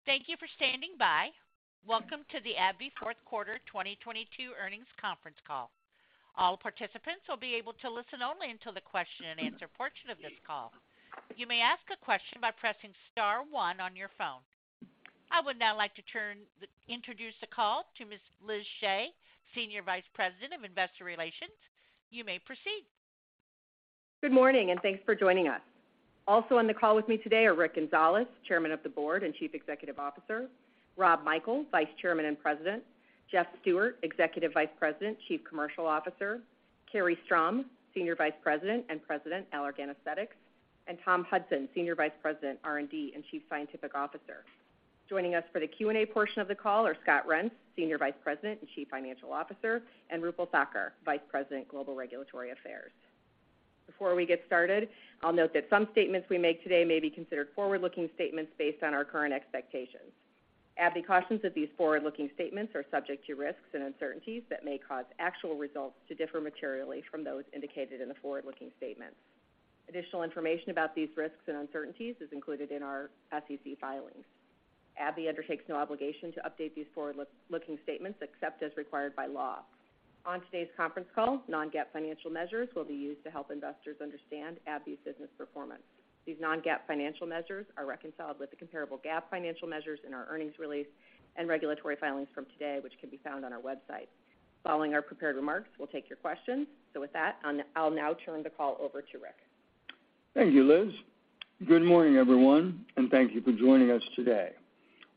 Morning. Thank you for standing by. Welcome to the AbbVie Fourth Quarter 2022 Earnings Conference Call. All participants will be able to listen only until the question-and-answer portion of this call. You may ask a question by pressing star one on your phone. I would now like to introduce the call to Ms. Liz Shea, Senior Vice President of Investor Relations. You may proceed. Good morning, thanks for joining us. Also on the call with me today are Rick Gonzalez, Chairman of the Board and Chief Executive Officer; Rob Michael, Vice Chairman and President; Jeff Stewart, Executive Vice President, Chief Commercial Officer; Carrie Strom, Senior Vice President and President, Allergan Aesthetics; and Tom Hudson, Senior Vice President, R&D and Chief Scientific Officer. Joining us for the Q&A portion of the call are Scott Reents, Senior Vice President and Chief Financial Officer, and Roopal Thakkar, Vice President, Global Regulatory Affairs. Before we get started, I'll note that some statements we make today may be considered forward-looking statements based on our current expectations. AbbVie cautions that these forward-looking statements are subject to risks and uncertainties that may cause actual results to differ materially from those indicated in the forward-looking statements. Additional information about these risks and uncertainties is included in our SEC filings. AbbVie undertakes no obligation to update these forward-looking statements except as required by law. On today's conference call, non-GAAP financial measures will be used to help investors understand AbbVie's business performance. These non-GAAP financial measures are reconciled with the comparable GAAP financial measures in our earnings release and regulatory filings from today, which can be found on our website. Following our prepared remarks, we'll take your questions. With that, I'll now turn the call over to Rick. Thank you, Liz. Good morning, everyone, and thank you for joining us today.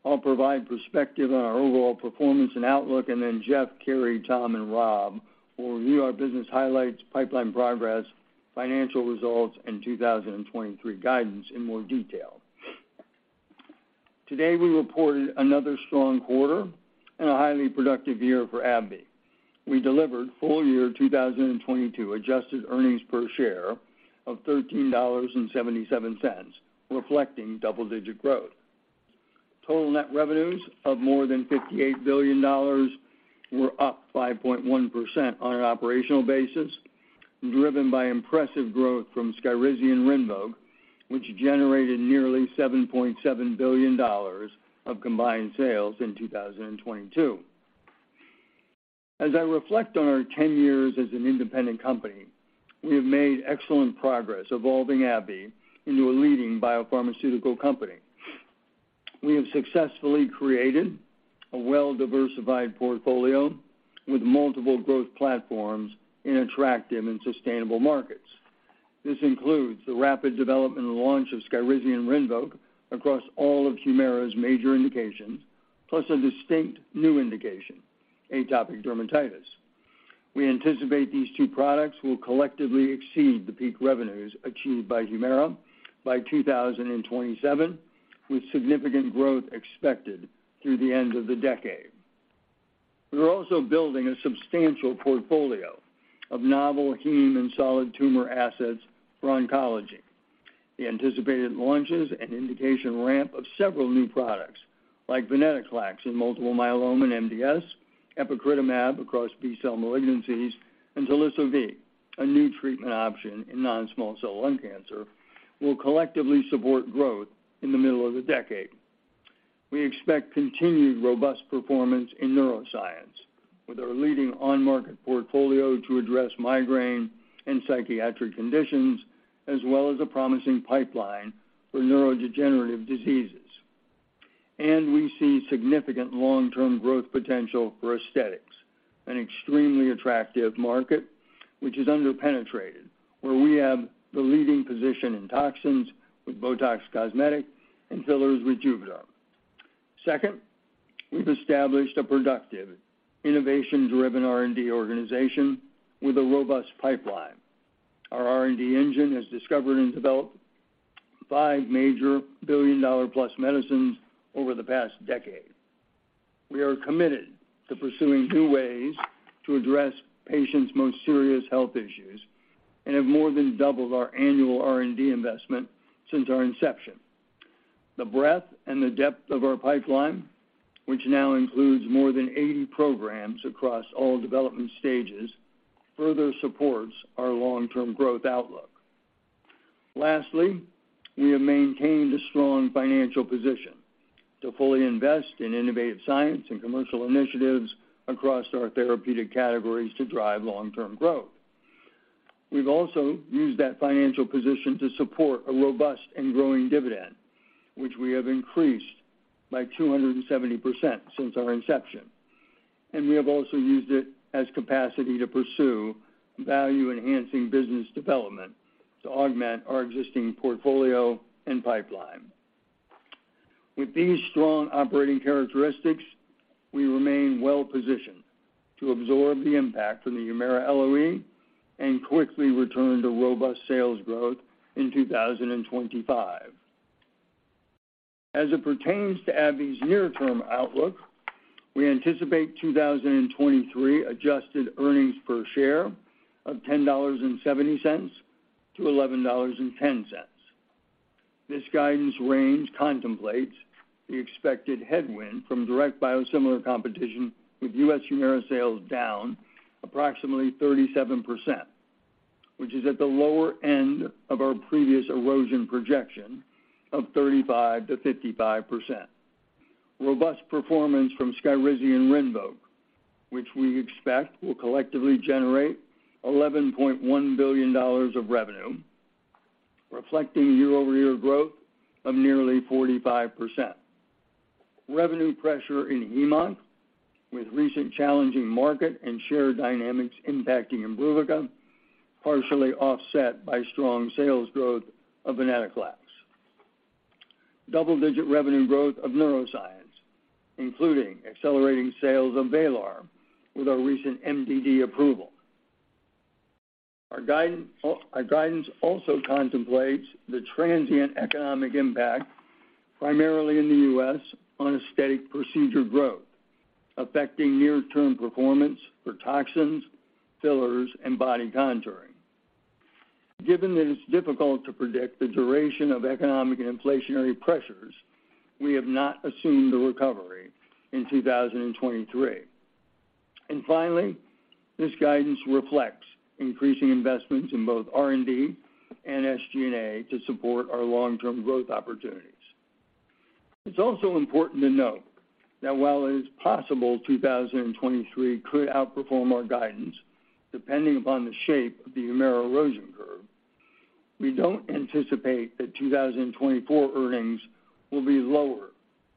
I'll provide perspective on our overall performance and outlook, then Jeff, Carrie Strom, Tom, and Rob will review our business highlights, pipeline progress, financial results, and 2023 guidance in more detail. Today, we reported another strong quarter and a highly productive year for AbbVie. We delivered full-year 2022 adjusted earnings per share of $13.77, reflecting double-digit growth. Total net revenues of more than $58 billion were up 5.1% on an operational basis, driven by impressive growth from SKYRIZI and RINVOQ, which generated nearly $7.7 billion of combined sales in 2022. As I reflect on our 10 years as an independent company, we have made excellent progress evolving AbbVie into a leading biopharmaceutical company. We have successfully created a well-diversified portfolio with multiple growth platforms in attractive and sustainable markets. This includes the rapid development and launch of SKYRIZI and RINVOQ across all of HUMIRA's major indications, plus a distinct new indication, atopic dermatitis. We anticipate these two products will collectively exceed the peak revenues achieved by HUMIRA by 2027, with significant growth expected through the end of the decade. We are also building a substantial portfolio of novel heme and solid tumor assets for oncology. The anticipated launches and indication ramp of several new products, like venetoclax in multiple myeloma and MDS, epcoritamab across B-cell malignancies, and Teliso-V, a new treatment option in non-small cell lung cancer, will collectively support growth in the middle of the decade. We expect continued robust performance in neuroscience with our leading on-market portfolio to address migraine and psychiatric conditions, as well as a promising pipeline for neurodegenerative diseases. We see significant long-term growth potential for aesthetics, an extremely attractive market which is under-penetrated, where we have the leading position in toxins with BOTOX Cosmetic and fillers with JUVÉDERM. Second, we've established a productive, innovations-driven R&D organization with a robust pipeline. Our R&D engine has discovered and developed five major billion-dollar-plus medicines over the past decade. We are committed to pursuing new ways to address patients' most serious health issues and have more than doubled our annual R&D investment since our inception. The breadth and the depth of our pipeline, which now includes more than 80 programs across all development stages, further supports our long-term growth outlook. Lastly, we have maintained a strong financial position to fully invest in innovative science and commercial initiatives across our therapeutic categories to drive long-term growth. We've also used that financial position to support a robust and growing dividend, which we have increased by 270% since our inception. We have also used it as capacity to pursue value-enhancing business development to augment our existing portfolio and pipeline. With these strong operating characteristics, we remain well positioned to absorb the impact from the HUMIRA LOE and quickly return to robust sales growth in 2025. As it pertains to AbbVie's near-term outlook, we anticipate 2023 adjusted earnings per share of $10.70-$11.10. This guidance range contemplates the expected headwind from direct biosimilar competition with U.S. HUMIRA sales down approximately 37%. Which is at the lower end of our previous erosion projection of 35%-55%. Robust performance from SKYRIZI and RINVOQ, which we expect will collectively generate $11.1 billion of revenue, reflecting year-over-year growth of nearly 45%. Revenue pressure in hematologic oncology, with recent challenging market and share dynamics impacting IMBRUVICA, partially offset by strong sales growth of venetoclax. Double-digit revenue growth of Neuroscience, including accelerating sales of VRAYLAR with our recent MDD approval. Our guidance also contemplates the transient economic impact, primarily in the U.S., on aesthetic procedure growth, affecting near-term performance for toxins, fillers, and body contouring. Given that it's difficult to predict the duration of economic and inflationary pressures, we have not assumed a recovery in 2023. Finally, this guidance reflects increasing investments in both R&D and SG&A to support our long-term growth opportunities. It's also important to note that while it is possible 2023 could outperform our guidance, depending upon the shape of the HUMIRA erosion curve, we don't anticipate that 2024 earnings will be lower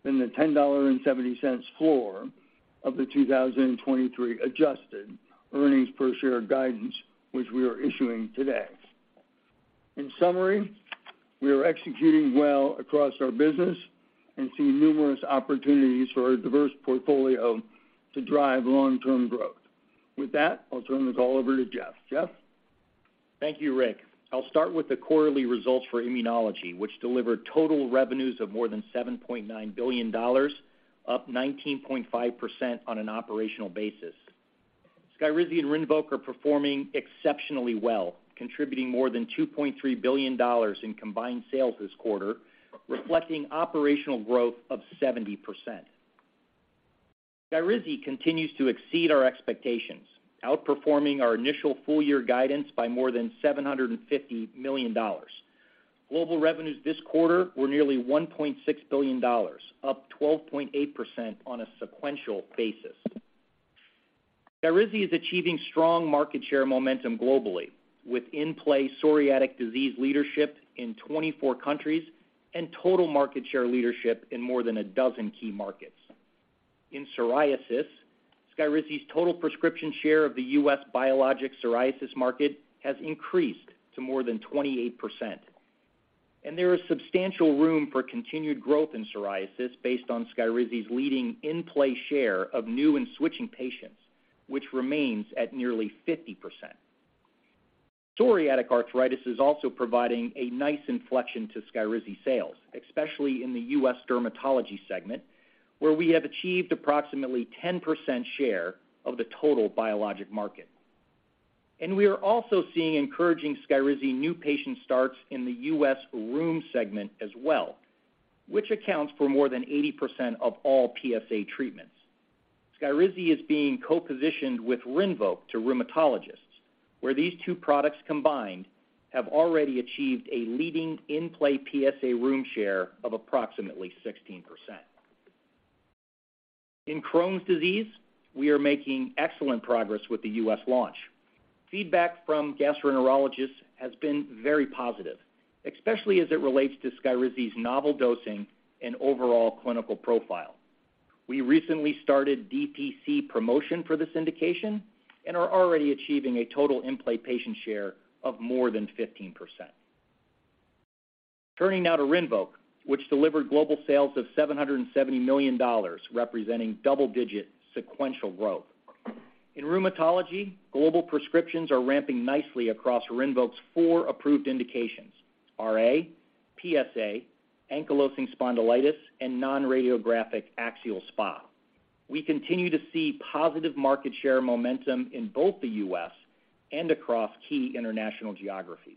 than the $10.70 floor of the 2023 adjusted earnings per share guidance, which we are issuing today. In summary, we are executing well across our business and see numerous opportunities for our diverse portfolio to drive long-term growth. With that, I'll turn the call over to Jeff. Jeff? Thank you, Rick. I'll start with the quarterly results for Immunology, which delivered total revenues of more than $7.9 billion, up 19.5% on an operational basis. SKYRIZI and RINVOQ are performing exceptionally well, contributing more than $2.3 billion in combined sales this quarter, reflecting operational growth of 70%. SKYRIZI continues to exceed our expectations, outperforming our initial full year guidance by more than $750 million. Global revenues this quarter were nearly $1.6 billion, up 12.8% on a sequential basis. SKYRIZI is achieving strong market share momentum globally with in-play psoriatic disease leadership in 24 countries and total market share leadership in more than a dozen key markets. In psoriasis, SKYRIZI's total prescription share of the U.S. biologic psoriasis market has increased to more than 28%. There is substantial room for continued growth in psoriasis based on SKYRIZI's leading in-play share of new and switching patients, which remains at nearly 50%. Psoriatic arthritis is also providing a nice inflection to SKYRIZI sales, especially in the U.S. dermatology segment, where we have achieved approximately 10% share of the total biologic market. We are also seeing encouraging SKYRIZI new patient starts in the U.S. rheum segment as well, which accounts for more than 80% of all PSA treatments. SKYRIZI is being co-positioned with RINVOQ to rheumatologists, where these two products combined have already achieved a leading in-play PSA rheum share of approximately 16%. In Crohn's disease, we are making excellent progress with the U.S. launch. Feedback from gastroenterologists has been very positive, especially as it relates to SKYRIZI's novel dosing and overall clinical profile. We recently started DTC promotion for this indication and are already achieving a total in-play patient share of more than 15%. Turning now to RINVOQ, which delivered global sales of $770 million, representing double-digit sequential growth. In rheumatology, global prescriptions are ramping nicely across RINVOQ's four approved indications: RA, PSA, ankylosing spondylitis, and non-radiographic axial SpA. We continue to see positive market share momentum in both the U.S. and across key international geographies.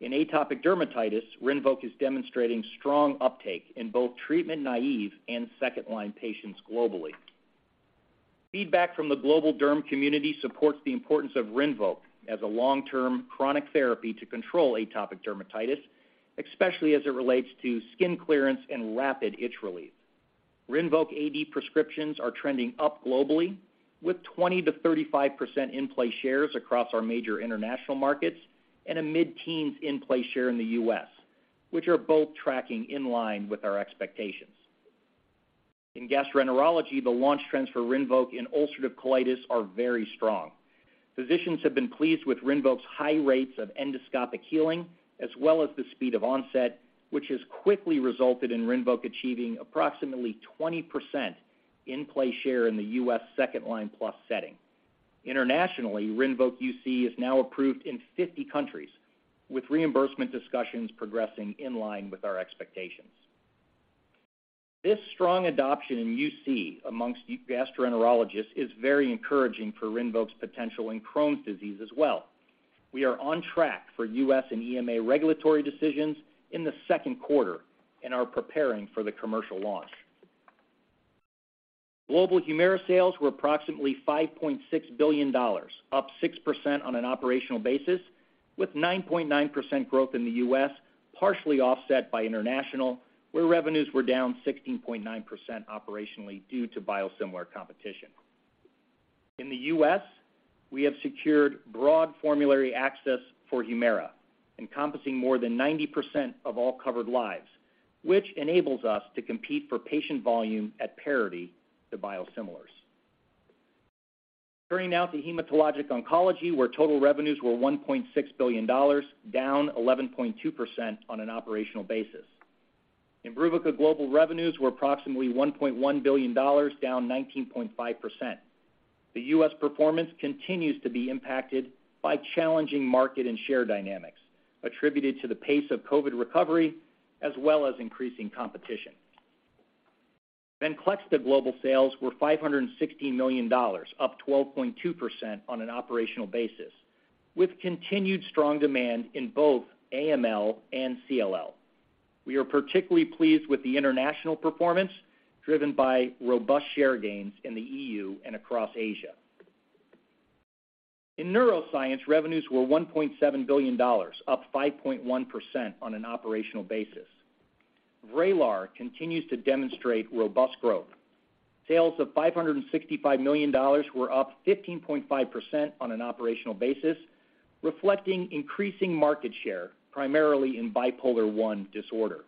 In atopic dermatitis, RINVOQ is demonstrating strong uptake in both treatment naive and second-line patients globally. Feedback from the global derm community supports the importance of RINVOQ as a long-term chronic therapy to control atopic dermatitis, especially as it relates to skin clearance and rapid itch relief. RINVOQ A.D. prescriptions are trending up globally with 20%-35% in-play shares across our major international markets and a mid-teens in-play share in the U.S., which are both tracking in line with our expectations. In gastroenterology, the launch trends for RINVOQ in ulcerative colitis are very strong. Physicians have been pleased with RINVOQ's high rates of endoscopic healing, as well as the speed of onset, which has quickly resulted in RINVOQ achieving approximately 20% in-play share in the U.S. second-line plus setting. Internationally, RINVOQ U.C. is now approved in 50 countries with reimbursement discussions progressing in line with our expectations. This strong adoption in U.C. amongst gastroenterologists is very encouraging for RINVOQ's potential in Crohn's disease as well. We are on track for U.S. and EMA regulatory decisions in the second quarter and are preparing for the commercial launch. Global HUMIRA sales were approximately $5.6 billion, up 6% on an operational basis, with 9.9% growth in the U.S., partially offset by international, where revenues were down 16.9% operationally due to biosimilar competition. In the U.S., we have secured broad formulary access for HUMIRA, encompassing more than 90% of all covered lives, which enables us to compete for patient volume at parity to biosimilars. Turning now to hematologic oncology, where total revenues were $1.6 billion, down 11.2% on an operational basis. IMBRUVICA global revenues were approximately $1.1 billion, down 19.5%. The U.S. performance continues to be impacted by challenging market and share dynamics attributed to the pace of COVID recovery as well as increasing competition. VENCLEXTA global sales were $560 million, up 12.2% on an operational basis, with continued strong demand in both AML and CLL. We are particularly pleased with the international performance driven by robust share gains in the EU and across Asia. In neuroscience, revenues were $1.7 billion, up 5.1% on an operational basis. VRAYLAR continues to demonstrate robust growth. Sales of $565 million were up 15.5% on an operational basis, reflecting increasing market share, primarily in bipolar 1 disorder.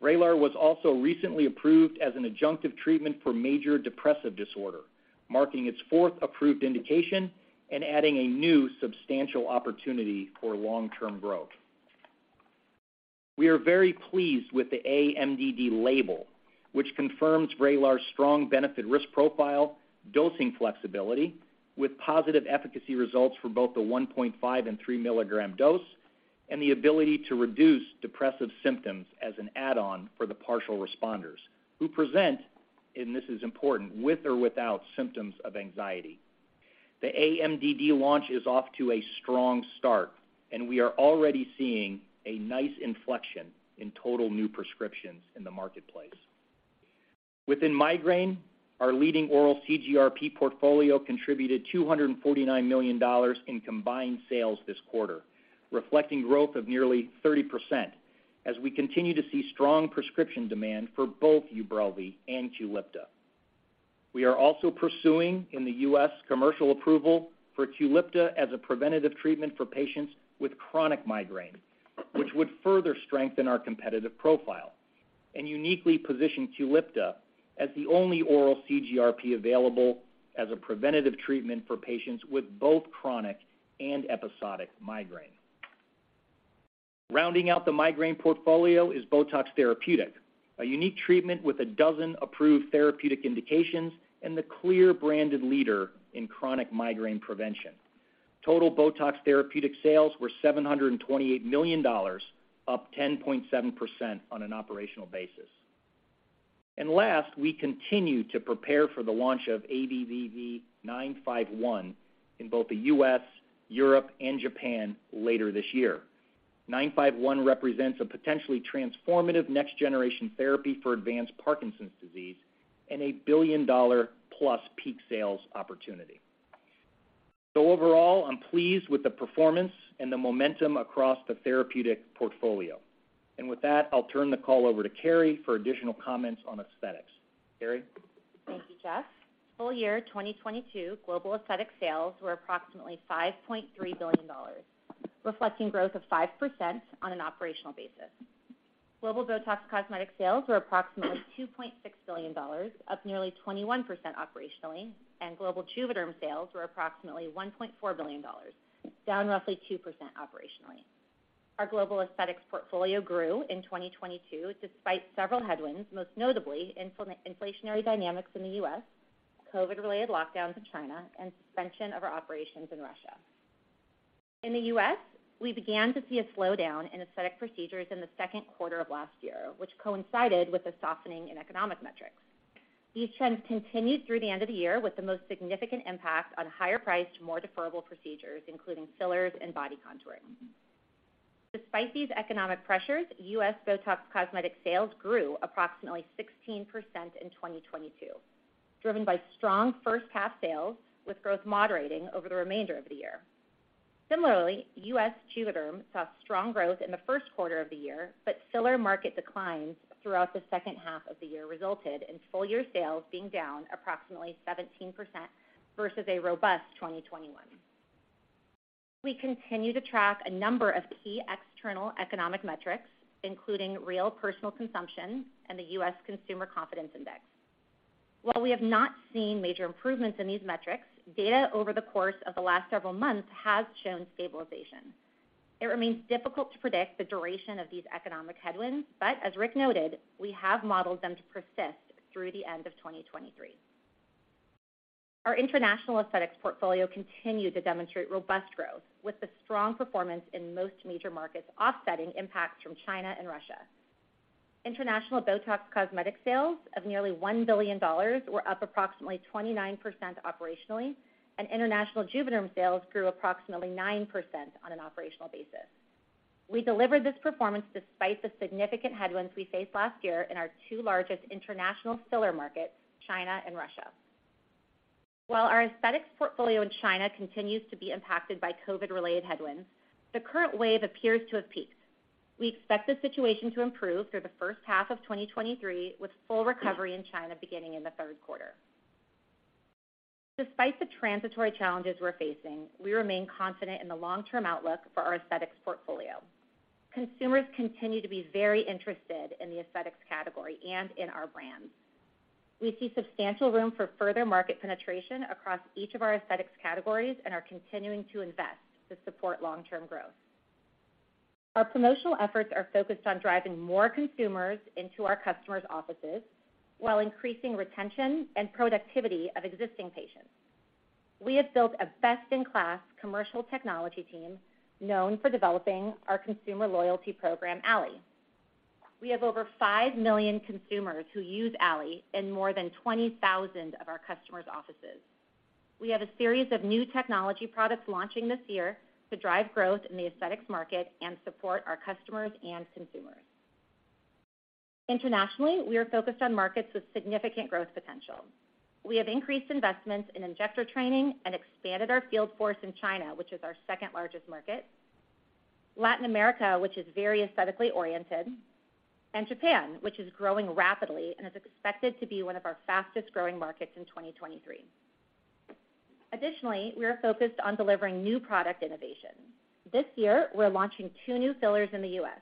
VRAYLAR was also recently approved as an adjunctive treatment for Major Depressive Disorder, marking its fourth approved indication and adding a new substantial opportunity for long-term growth. We are very pleased with the MDD label, which confirms VRAYLAR's strong benefit risk profile, dosing flexibility with positive efficacy results for both the 1.5 and 3 milligram dose, and the ability to reduce depressive symptoms as an add-on for the partial responders who present, and this is important, with or without symptoms of anxiety. The MDD launch is off to a strong start, and we are already seeing a nice inflection in total new prescriptions in the marketplace. Within migraine, our leading oral CGRP portfolio contributed $249 million in combined sales this quarter, reflecting growth of nearly 30% as we continue to see strong prescription demand for both UBRELVY and QULIPTA. We are also pursuing in the U.S. commercial approval for QULIPTA as a preventative treatment for patients with chronic migraine, which would further strengthen our competitive profile and uniquely position QULIPTA as the only oral CGRP available as a preventative treatment for patients with both chronic and episodic migraine. Rounding out the migraine portfolio is BOTOX Therapeutic, a unique treatment with a dozen approved therapeutic indications and the clear branded leader in chronic migraine prevention. Total BOTOX Therapeutic sales were $728 million, up 10.7% on an operational basis. Last, we continue to prepare for the launch of ABBV-951 in both the U.S., Europe and Japan later this year. 951 represents a potentially transformative next generation therapy for advanced Parkinson's disease and a billion-dollar-plus peak sales opportunity. Overall, I'm pleased with the performance and the momentum across the therapeutic portfolio. With that, I'll turn the call over to Carrie for additional comments on aesthetics. Carrie? Thank you, Jeff. Full year 2022 global aesthetic sales were approximately $6.3 billion, reflecting growth of 5% on an operational basis. Global BOTOX Cosmetic sales were approximately $2.6 billion, up nearly 21% operationally. Global JUVÉDERM sales were approximately $1.4 billion, down roughly 2% operationally. Our global aesthetics portfolio grew in 2022 despite several headwinds, most notably inflationary dynamics in the U.S., COVID-related lockdowns in China, and suspension of our operations in Russia. In the U.S., we began to see a slowdown in aesthetic procedures in the second quarter of last year, which coincided with a softening in economic metrics. These trends continued through the end of the year with the most significant impact on higher-priced, more deferrable procedures, including fillers and body contouring. Despite these economic pressures, U.S. BOTOX Cosmetic sales grew approximately 16% in 2022, driven by strong first half sales, with growth moderating over the remainder of the year. Similarly, U.S. JUVÉDERM saw strong growth in the first quarter of the year, but filler market declines throughout the second half of the year resulted in full year sales being down approximately 17% versus a robust 2021. We continue to track a number of key external economic metrics, including real personal consumption and the U.S. Consumer Confidence Index. While we have not seen major improvements in these metrics, data over the course of the last several months has shown stabilization. It remains difficult to predict the duration of these economic headwinds, but as Rick noted, we have modeled them to persist through the end of 2023. Our international aesthetics portfolio continued to demonstrate robust growth with the strong performance in most major markets offsetting impacts from China and Russia. International BOTOX Cosmetic sales of nearly $1 billion were up approximately 29% operationally, and international JUVÉDERM sales grew approximately 9% on an operational basis. We delivered this performance despite the significant headwinds we faced last year in our two largest international filler markets, China and Russia. While our aesthetics portfolio in China continues to be impacted by COVID-related headwinds, the current wave appears to have peaked. We expect the situation to improve through the first half of 2023, with full recovery in China beginning in the third quarter. Despite the transitory challenges we're facing, we remain confident in the long-term outlook for our aesthetics portfolio. Consumers continue to be very interested in the aesthetics category and in our brands. We see substantial room for further market penetration across each of our aesthetics categories and are continuing to invest to support long-term growth. Our promotional efforts are focused on driving more consumers into our customers' offices while increasing retention and productivity of existing patients. We have built a best-in-class commercial technology team known for developing our consumer loyalty program, Allē. We have over 5 million consumers who use Allē in more than 20,000 of our customers' offices. We have a series of new technology products launching this year to drive growth in the aesthetics market and support our customers and consumers. Internationally, we are focused on markets with significant growth potential. We have increased investments in injector training and expanded our field force in China, which is our second-largest market, Latin America, which is very aesthetically oriented, and Japan, which is growing rapidly and is expected to be one of our fastest-growing markets in 2023. Additionally, we are focused on delivering new product innovation. This year, we're launching two new fillers in the US,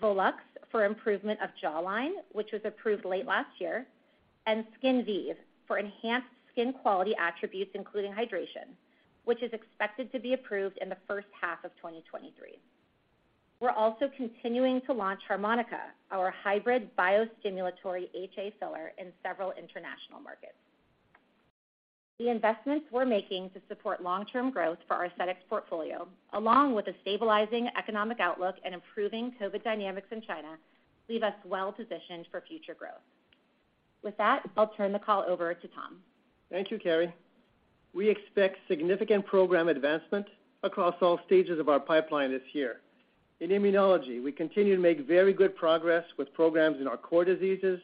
Volux for improvement of jawline, which was approved late last year, and Skinvive for enhanced skin quality attributes, including hydration, which is expected to be approved in the first half of 2023. We're also continuing to launch HArmonyCa, our hybrid biostimulatory HA filler in several international markets. The investments we're making to support long-term growth for our aesthetics portfolio, along with a stabilizing economic outlook and improving COVID dynamics in China, leave us well-positioned for future growth. With that, I'll turn the call over to Tom. Thank you, Carrie. We expect significant program advancement across all stages of our pipeline this year. In immunology, we continue to make very good progress with programs in our core diseases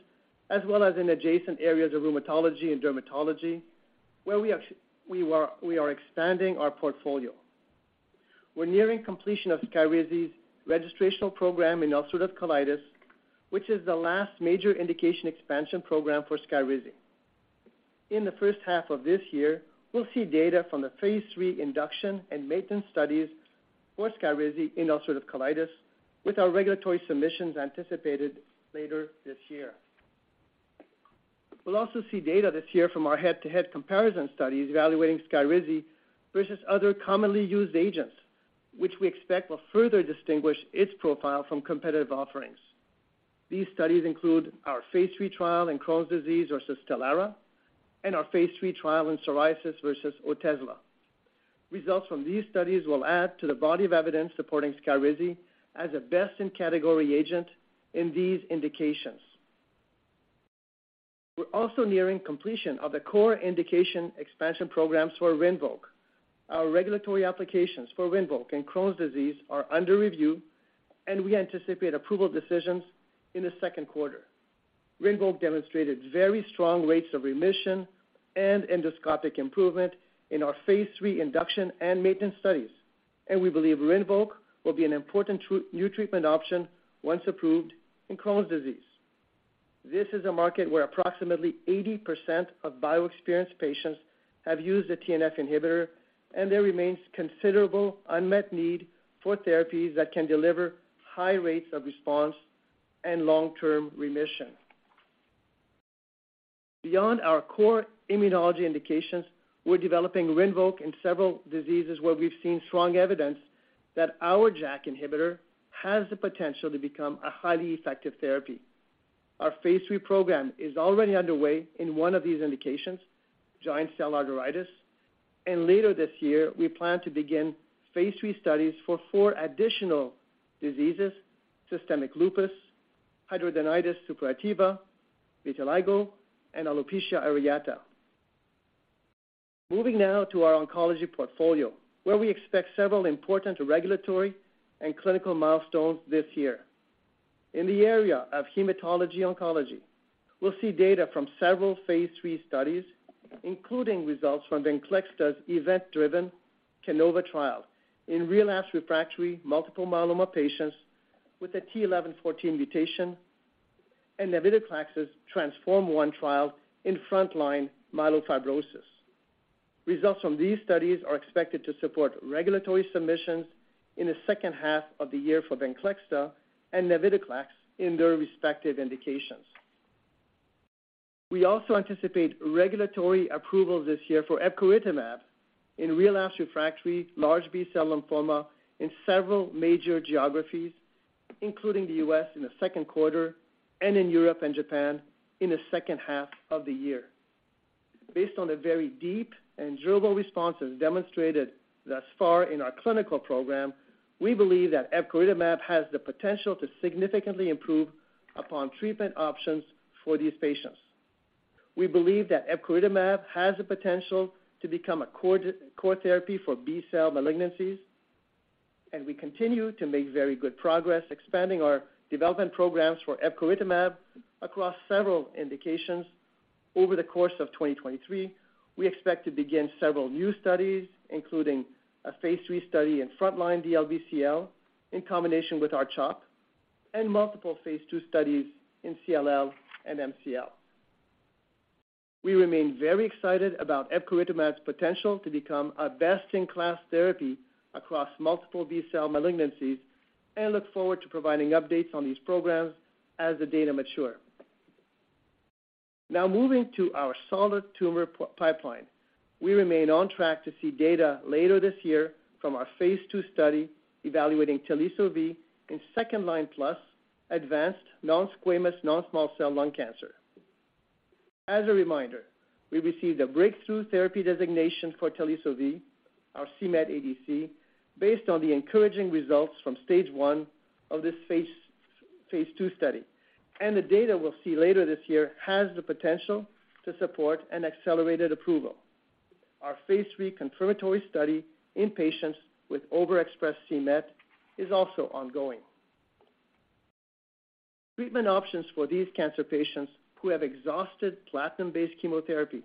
as well as in adjacent areas of rheumatology and dermatology, where we are expanding our portfolio. We're nearing completion of SKYRIZI's registrational program in ulcerative colitis, which is the last major indication expansion program for SKYRIZI. In the first half of this year, we'll see data from the phase III induction and maintenance studies for SKYRIZI in ulcerative colitis, with our regulatory submissions anticipated later this year. We'll also see data this year from our head-to-head comparison studies evaluating SKYRIZI versus other commonly used agents, which we expect will further distinguish its profile from competitive offerings. These studies include our phase III trial in Crohn's disease versus STELARA and our phase III trial in psoriasis versus Otezla. Results from these studies will add to the body of evidence supporting SKYRIZI as a best-in-category agent in these indications. We're also nearing completion of the core indication expansion programs for RINVOQ. Our regulatory applications for RINVOQ in Crohn's disease are under review. We anticipate approval decisions in the second quarter. RINVOQ demonstrated very strong rates of remission and endoscopic improvement in our phase III induction and maintenance studies. We believe RINVOQ will be an important new treatment option once approved in Crohn's disease. This is a market where approximately 80% of bio experienced patients have used a TNF inhibitor. There remains considerable unmet need for therapies that can deliver high rates of response and long-term remission. Beyond our core immunology indications, we're developing RINVOQ in several diseases where we've seen strong evidence that our JAK inhibitor has the potential to become a highly effective therapy. Our phase III program is already underway in one of these indications, giant cell arteritis. Later this year, we plan to begin phase III studies for four additional diseases, systemic lupus, hidradenitis suppurativa, vitiligo, and alopecia areata. Moving now to our oncology portfolio, where we expect several important regulatory and clinical milestones this year. In the area of hematology oncology, we'll see data from several phase III studies, including results from VENCLEXTA's event-driven CANOVA trial in relapsed refractory multiple myeloma patients with a t(11;14) mutation and navitoclax's TRANSFORM-1 trial in front-line myelofibrosis. Results from these studies are expected to support regulatory submissions in the second half of the year for VENCLEXTA and navitoclax in their respective indications. We also anticipate regulatory approval this year for epcoritamab in relapsed-refractory large B-cell lymphoma in several major geographies, including the U.S. in the second quarter and in Europe and Japan in the second half of the year. Based on the very deep and durable responses demonstrated thus far in our clinical program, we believe that epcoritamab has the potential to significantly improve upon treatment options for these patients. We believe that epcoritamab has the potential to become a core therapy for B-cell malignancies, and we continue to make very good progress expanding our development programs for epcoritamab across several indications. Over the course of 2023, we expect to begin several new studies, including a phase III study in frontline DLBCL in combination with our CHOP, and multiple phase II studies in CLL and MCL. We remain very excited about epcoritamab's potential to become a best-in-class therapy across multiple B-cell malignancies and look forward to providing updates on these programs as the data mature. Moving to our solid tumor pipeline. We remain on track to see data later this year from our phase II study evaluating Teliso-V in second-line plus advanced non-squamous, non-small cell lung cancer. As a reminder, we received a breakthrough therapy designation for Teliso-V, our c-Met ADC, based on the encouraging results from Stage 1 of this phase II study. The data we'll see later this year has the potential to support an accelerated approval. Our phase III confirmatory study in patients with overexpressed c-Met is also ongoing. Treatment options for these cancer patients who have exhausted platinum-based chemotherapy,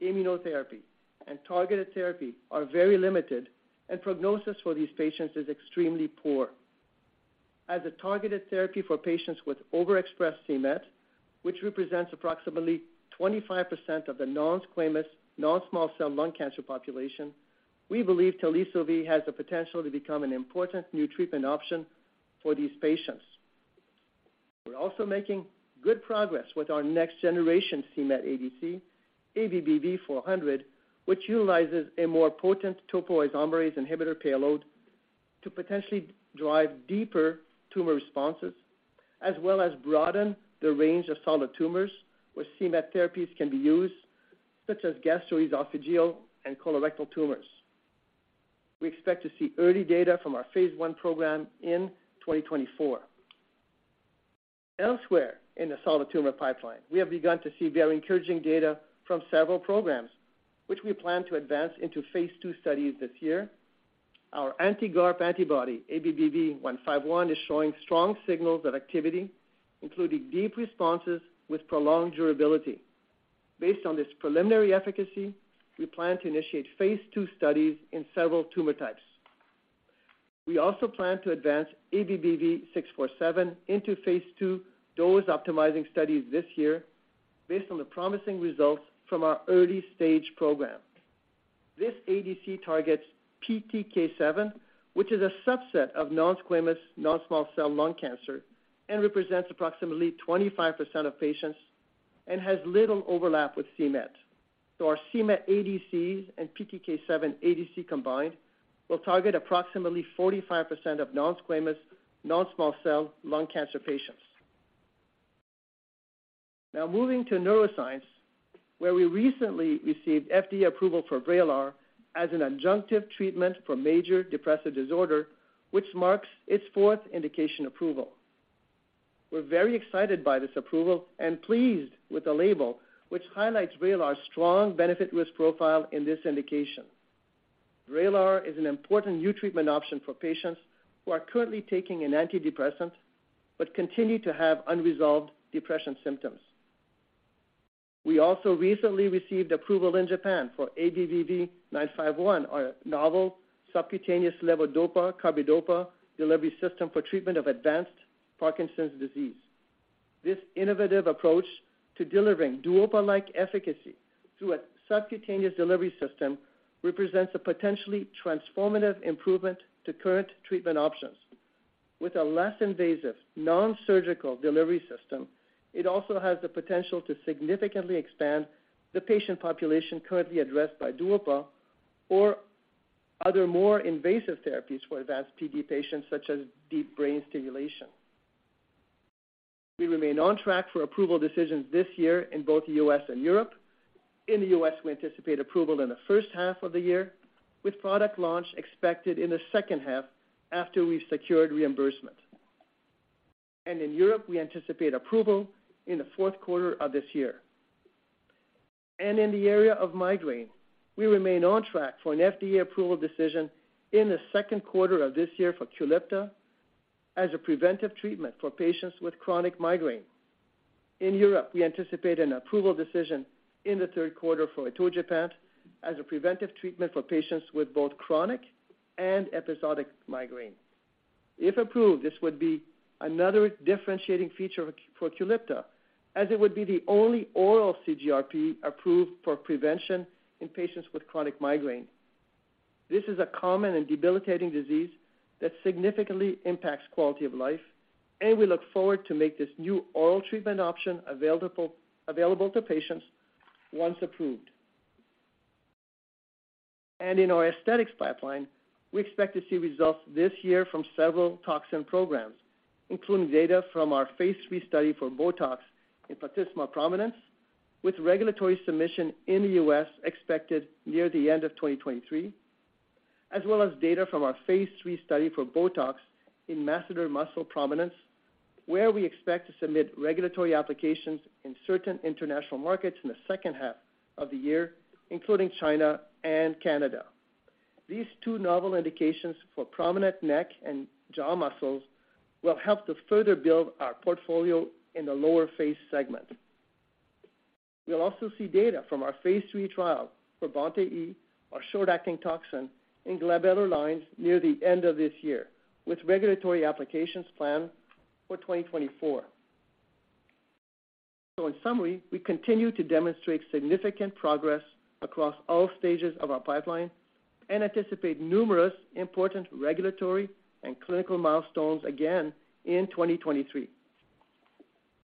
immunotherapy, and targeted therapy are very limited. Prognosis for these patients is extremely poor. As a targeted therapy for patients with overexpressed c-Met, which represents approximately 25% of the non-squamous non-small cell lung cancer population, we believe Teliso-V has the potential to become an important new treatment option for these patients. We're also making good progress with our next generation c-Met ADC, ABBV-400, which utilizes a more potent topoisomerase inhibitor payload to potentially drive deeper tumor responses, as well as broaden the range of solid tumors where c-Met therapies can be used, such as gastroesophageal and colorectal tumors. We expect to see early data from our phase I program in 2024. Elsewhere in the solid tumor pipeline, we have begun to see very encouraging data from several programs, which we plan to advance into phase II studies this year. Our anti-GARP antibody, ABBV-151, is showing strong signals of activity, including deep responses with prolonged durability. Based on this preliminary efficacy, we plan to initiate phase II studies in several tumor types. We also plan to advance ABBV-647 into phase II dose-optimizing studies this year based on the promising results from our early-stage program. This ADC targets PTK7, which is a subset of non-squamous, non-small cell lung cancer and represents approximately 25% of patients and has little overlap with c-Met. Our c-Met ADCs and PTK7 ADC combined will target approximately 45% of non-squamous, non-small cell lung cancer patients. Now moving to neuroscience, where we recently received FDA approval for VRAYLAR as an adjunctive treatment for Major Depressive Disorder, which marks its fourth indication approval. We're very excited by this approval and pleased with the label, which highlights VRAYLAR's strong benefit risk profile in this indication. VRAYLAR is an important new treatment option for patients who are currently taking an antidepressant but continue to have unresolved depression symptoms. We also recently received approval in Japan for ABBV-951, our novel subcutaneous levodopa/carbidopa delivery system for treatment of advanced Parkinson's disease. This innovative approach to delivering DUOPA-like efficacy through a subcutaneous delivery system represents a potentially transformative improvement to current treatment options. With a less invasive, nonsurgical delivery system, it also has the potential to significantly expand the patient population currently addressed by DUOPA or other more invasive therapies for advanced PD patients such as deep brain stimulation. We remain on track for approval decisions this year in both the U.S. and Europe. In the U.S., we anticipate approval in the first half of the year, with product launch expected in the second half after we've secured reimbursement. In Europe, we anticipate approval in the fourth quarter of this year. In the area of migraine, we remain on track for an FDA approval decision in the second quarter of this year for QULIPTA as a preventive treatment for patients with chronic migraine. In Europe, we anticipate an approval decision in the third quarter for atogepant as a preventive treatment for patients with both chronic and episodic migraine. If approved, this would be another differentiating feature for QULIPTA, as it would be the only oral CGRP approved for prevention in patients with chronic migraine. This is a common and debilitating disease that significantly impacts quality of life, and we look forward to make this new oral treatment option available to patients once approved. In our Aesthetics pipeline, we expect to see results this year from several toxin programs, including data from our phase III study for BOTOX in platysma prominence, with regulatory submission in the US expected near the end of 2023. As well as data from our phase III study for BOTOX in masseter muscle prominence, where we expect to submit regulatory applications in certain international markets in the second half of the year, including China and Canada. These two novel indications for prominent neck and jaw muscles will help to further build our portfolio in the lower face segment. We'll also see data from our phase III trial for BoNT/E, our short-acting toxin in glabellar lines near the end of this year, with regulatory applications planned for 2024. In summary, we continue to demonstrate significant progress across all stages of our pipeline and anticipate numerous important regulatory and clinical milestones again in 2023.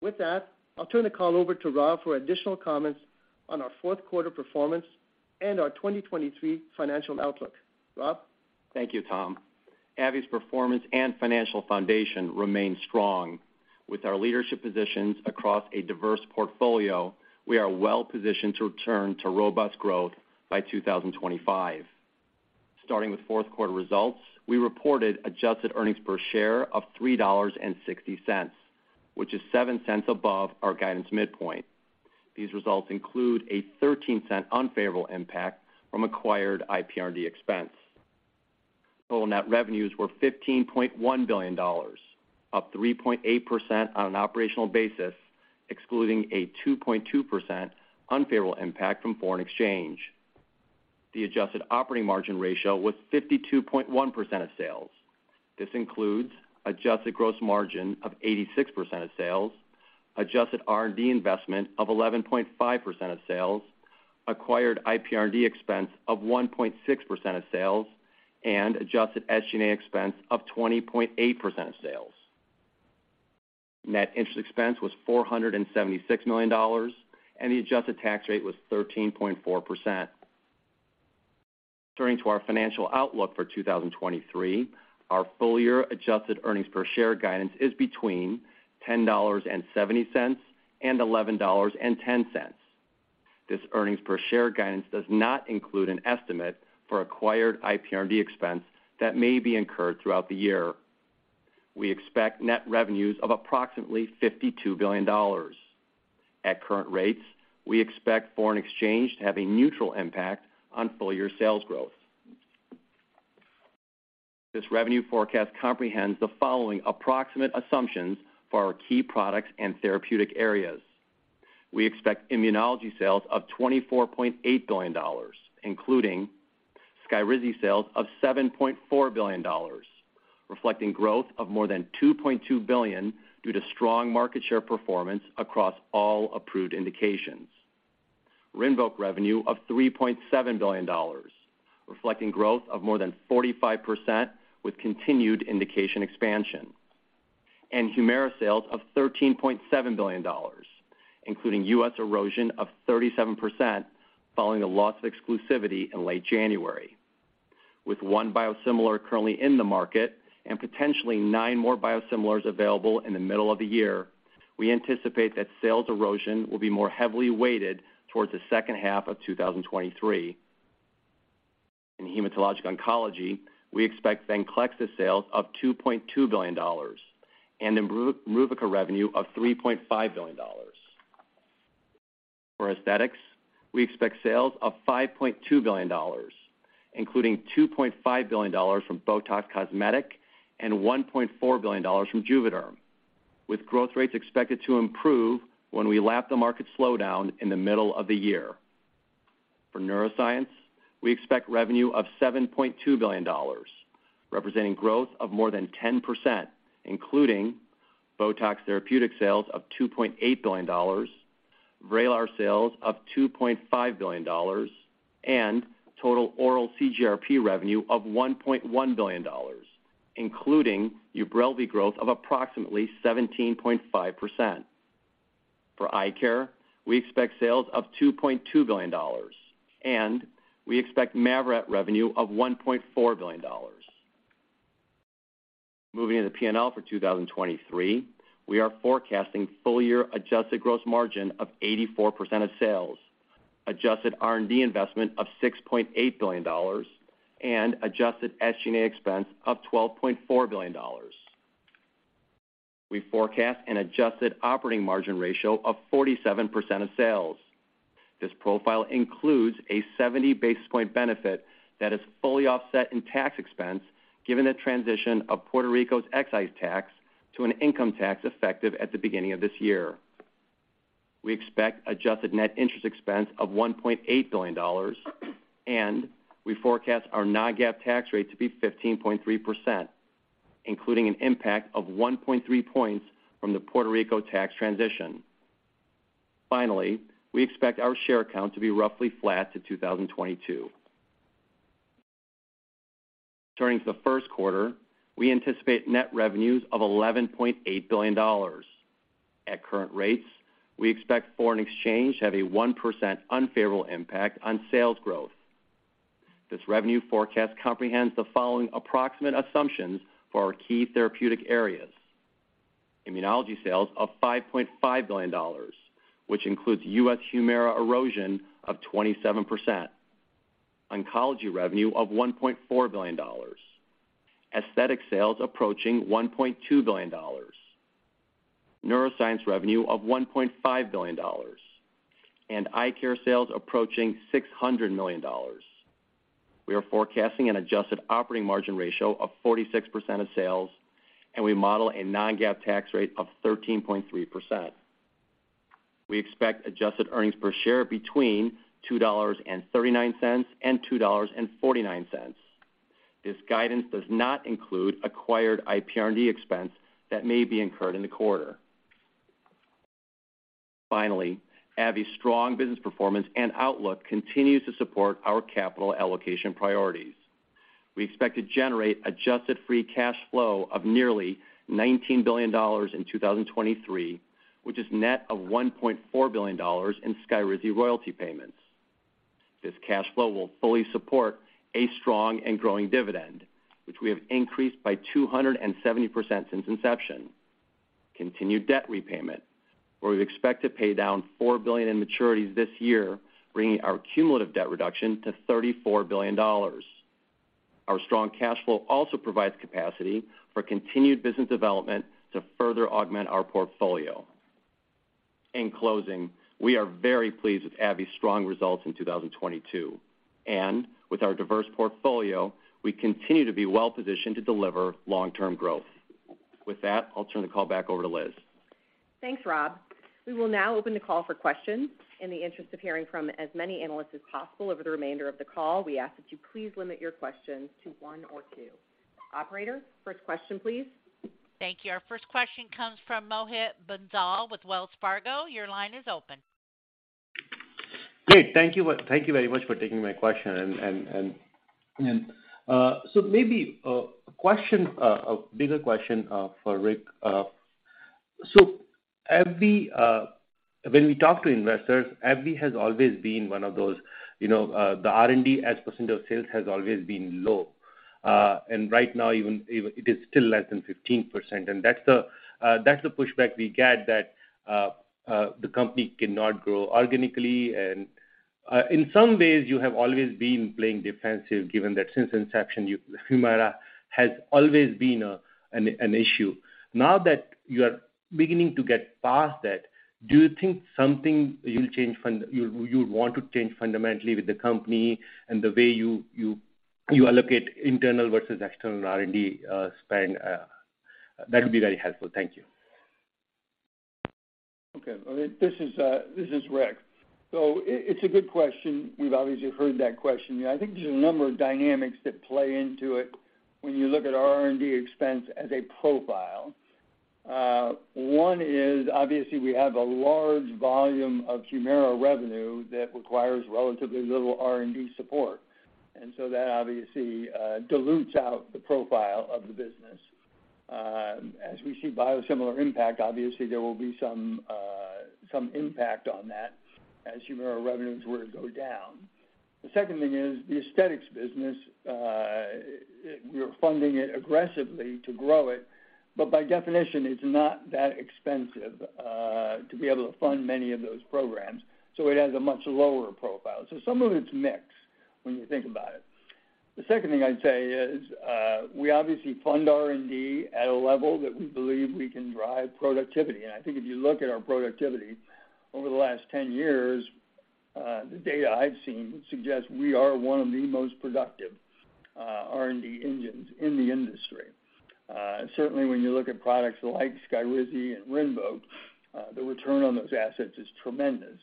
With that, I'll turn the call over to Rob for additional comments on our fourth quarter performance and our 2023 financial outlook. Rob? Thank you, Tom. AbbVie's performance and financial foundation remain strong. With our leadership positions across a diverse portfolio, we are well-positioned to return to robust growth by 2025. Starting with fourth quarter results, we reported adjusted earnings per share of $3.60, which is $0.07 above our guidance midpoint. These results include a $0.13 unfavorable impact from acquired IPR&D expense. Total net revenues were $15.1 billion, up 3.8% on an operational basis, excluding a 2.2% unfavorable impact from foreign exchange. The adjusted operating margin ratio was 52.1% of sales. This includes adjusted gross margin of 86% of sales, adjusted R&D investment of 11.5% of sales, acquired IPR&D expense of 1.6% of sales, and adjusted SG&A expense of 20.8% of sales. Net interest expense was $476 million. The adjusted tax rate was 13.4%. Turning to our financial outlook for 2023, our full year adjusted earnings per share guidance is between $10.70 and $11.10. This earnings per share guidance does not include an estimate for acquired IPR&D expense that may be incurred throughout the year. We expect net revenues of approximately $52 billion. At current rates, we expect foreign exchange to have a neutral impact on full year sales growth. This revenue forecast comprehends the following approximate assumptions for our key products and therapeutic areas. We expect immunology sales of $24.8 billion, including SKYRIZI sales of $7.4 billion, reflecting growth of more than $2.2 billion due to strong market share performance across all approved indications. RINVOQ revenue of $3.7 billion, reflecting growth of more than 45% with continued indication expansion. HUMIRA sales of $13.7 billion, including US erosion of 37% following the loss of exclusivity in late January. With one biosimilar currently in the market and potentially nine more biosimilars available in the middle of the year, we anticipate that sales erosion will be more heavily weighted towards the second half of 2023. In hematologic oncology, we expect VENCLEXTA sales of $2.2 billion and IMBRUVICA revenue of $3.5 billion. For aesthetics, we expect sales of $5.2 billion, including $2.5 billion from BOTOX Cosmetic and $1.4 billion from JUVÉDERM, with growth rates expected to improve when we lap the market slowdown in the middle of the year. For neuroscience, we expect revenue of $7.2 billion, representing growth of more than 10%, including BOTOX Therapeutic sales of $2.8 billion, VRAYLAR sales of $2.5 billion, and total oral CGRP revenue of $1.1 billion, including UBRELVY growth of approximately 17.5%. For eye care, we expect sales of $2.2 billion, and we expect MAVYRET revenue of $1.4 billion. Moving into P&L for 2023, we are forecasting full year adjusted gross margin of 84% of sales, adjusted R&D investment of $6.8 billion, and adjusted SG&A expense of $12.4 billion. We forecast an adjusted operating margin ratio of 47% of sales. This profile includes a 70 basis point benefit that is fully offset in tax expense, given the transition of Puerto Rico's excise tax to an income tax effective at the beginning of this year. We expect adjusted net interest expense of $1.8 billion. We forecast our non-GAAP tax rate to be 15.3%, including an impact of 1.3 points from the Puerto Rico tax transition. Finally, we expect our share count to be roughly flat to 2022. Turning to the first quarter, we anticipate net revenues of $11.8 billion. At current rates, we expect foreign exchange to have a 1% unfavorable impact on sales growth. This revenue forecast comprehends the following approximate assumptions for our key therapeutic areas. Immunology sales of $5.5 billion, which includes U.S. HUMIRA erosion of 27%. Oncology revenue of $1.4 billion. Aesthetic sales approaching $1.2 billion. Neuroscience revenue of $1.5 billion, and eye care sales approaching $600 million. We are forecasting an adjusted operating margin ratio of 46% of sales, and we model a non-GAAP tax rate of 13.3%. We expect adjusted earnings per share between $2.39 and $2.49. This guidance does not include acquired IPR&D expense that may be incurred in the quarter. AbbVie's strong business performance and outlook continues to support our capital allocation priorities. We expect to generate adjusted free cash flow of nearly $19 billion in 2023, which is net of $1.4 billion in SKYRIZI royalty payments. This cash flow will fully support a strong and growing dividend, which we have increased by 270% since inception. Continued debt repayment, where we expect to pay down $4 billion in maturities this year, bringing our cumulative debt reduction to $34 billion. Our strong cash flow also provides capacity for continued business development to further augment our portfolio. In closing, we are very pleased with AbbVie's strong results in 2022. With our diverse portfolio, we continue to be well-positioned to deliver long-term growth. With that, I'll turn the call back over to Liz. Thanks, Rob. We will now open the call for questions. In the interest of hearing from as many analysts as possible over the remainder of the call, we ask that you please limit your questions to one or two. Operator, first question, please. Thank you. Our first question comes from Mohit Bansal with Wells Fargo. Your line is open. Great. Thank you very much for taking my question. Maybe a question, a bigger question, for Rick. AbbVie, when we talk to investors, AbbVie has always been one of those, you know, the R&D as percent of sales has always been low. Right now, even it is still less than 15%. That's the pushback we get that the company cannot grow organically. In some ways, you have always been playing defensive given that since inception, HUMIRA has always been an issue. Now that you are beginning to get past that, do you think something you'll want to change fundamentally with the company and the way you allocate internal versus external R&D spend? That would be very helpful. Thank you. Well, this is Rick. It's a good question. We've obviously heard that question. I think there's a number of dynamics that play into it when you look at our R&D expense as a profile. One is, obviously, we have a large volume of HUMIRA revenue that requires relatively little R&D support. That obviously dilutes out the profile of the business. As we see biosimilar impact, obviously, there will be some impact on that as HUMIRA revenues were to go down. The second thing is the aesthetics business, we are funding it aggressively to grow it, but by definition, it's not that expensive to be able to fund many of those programs, so it has a much lower profile. Some of it's mix when you think about it. The second thing I'd say is, we obviously fund R&D at a level that we believe we can drive productivity. I think if you look at our productivity over the last 10 years, the data I've seen suggests we are one of the most productive R&D engines in the industry. Certainly when you look at products like SKYRIZI and RINVOQ, the return on those assets is tremendous.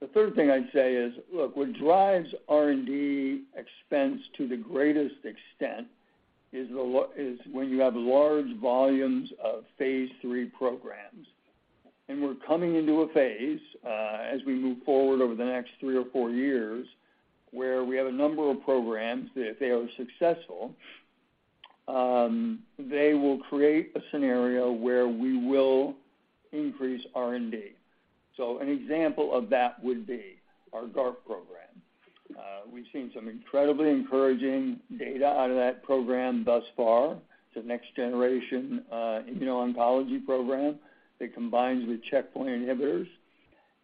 The third thing I'd say is, look, what drives R&D expense to the greatest extent is when you have large volumes of phase III programs. We're coming into a phase, as we move forward over the next 3 or 4 years, where we have a number of programs that if they are successful, they will create a scenario where we will increase R&D. An example of that would be our GARP program. We've seen some incredibly encouraging data out of that program thus far. It's a next generation immuno-oncology program that combines with checkpoint inhibitors.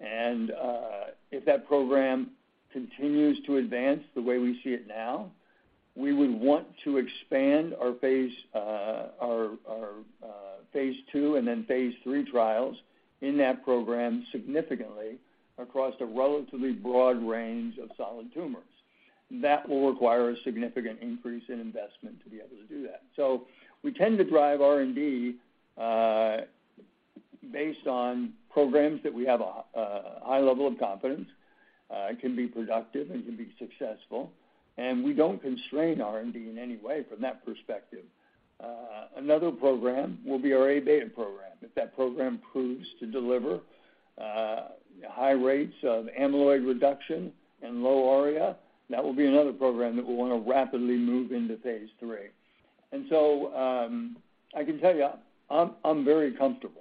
If that program continues to advance the way we see it now, we would want to expand our phase II and then phase III trials in that program significantly across a relatively broad range of solid tumors. That will require a significant increase in investment to be able to do that. We tend to drive R&D based on programs that we have a high level of confidence can be productive and can be successful. We don't constrain R&D in any way from that perspective. Another program will be our Aβ program. If that program proves to deliver high rates of amyloid reduction and low ARIA, that will be another program that we wanna rapidly move into phase III. I can tell you, I'm very comfortable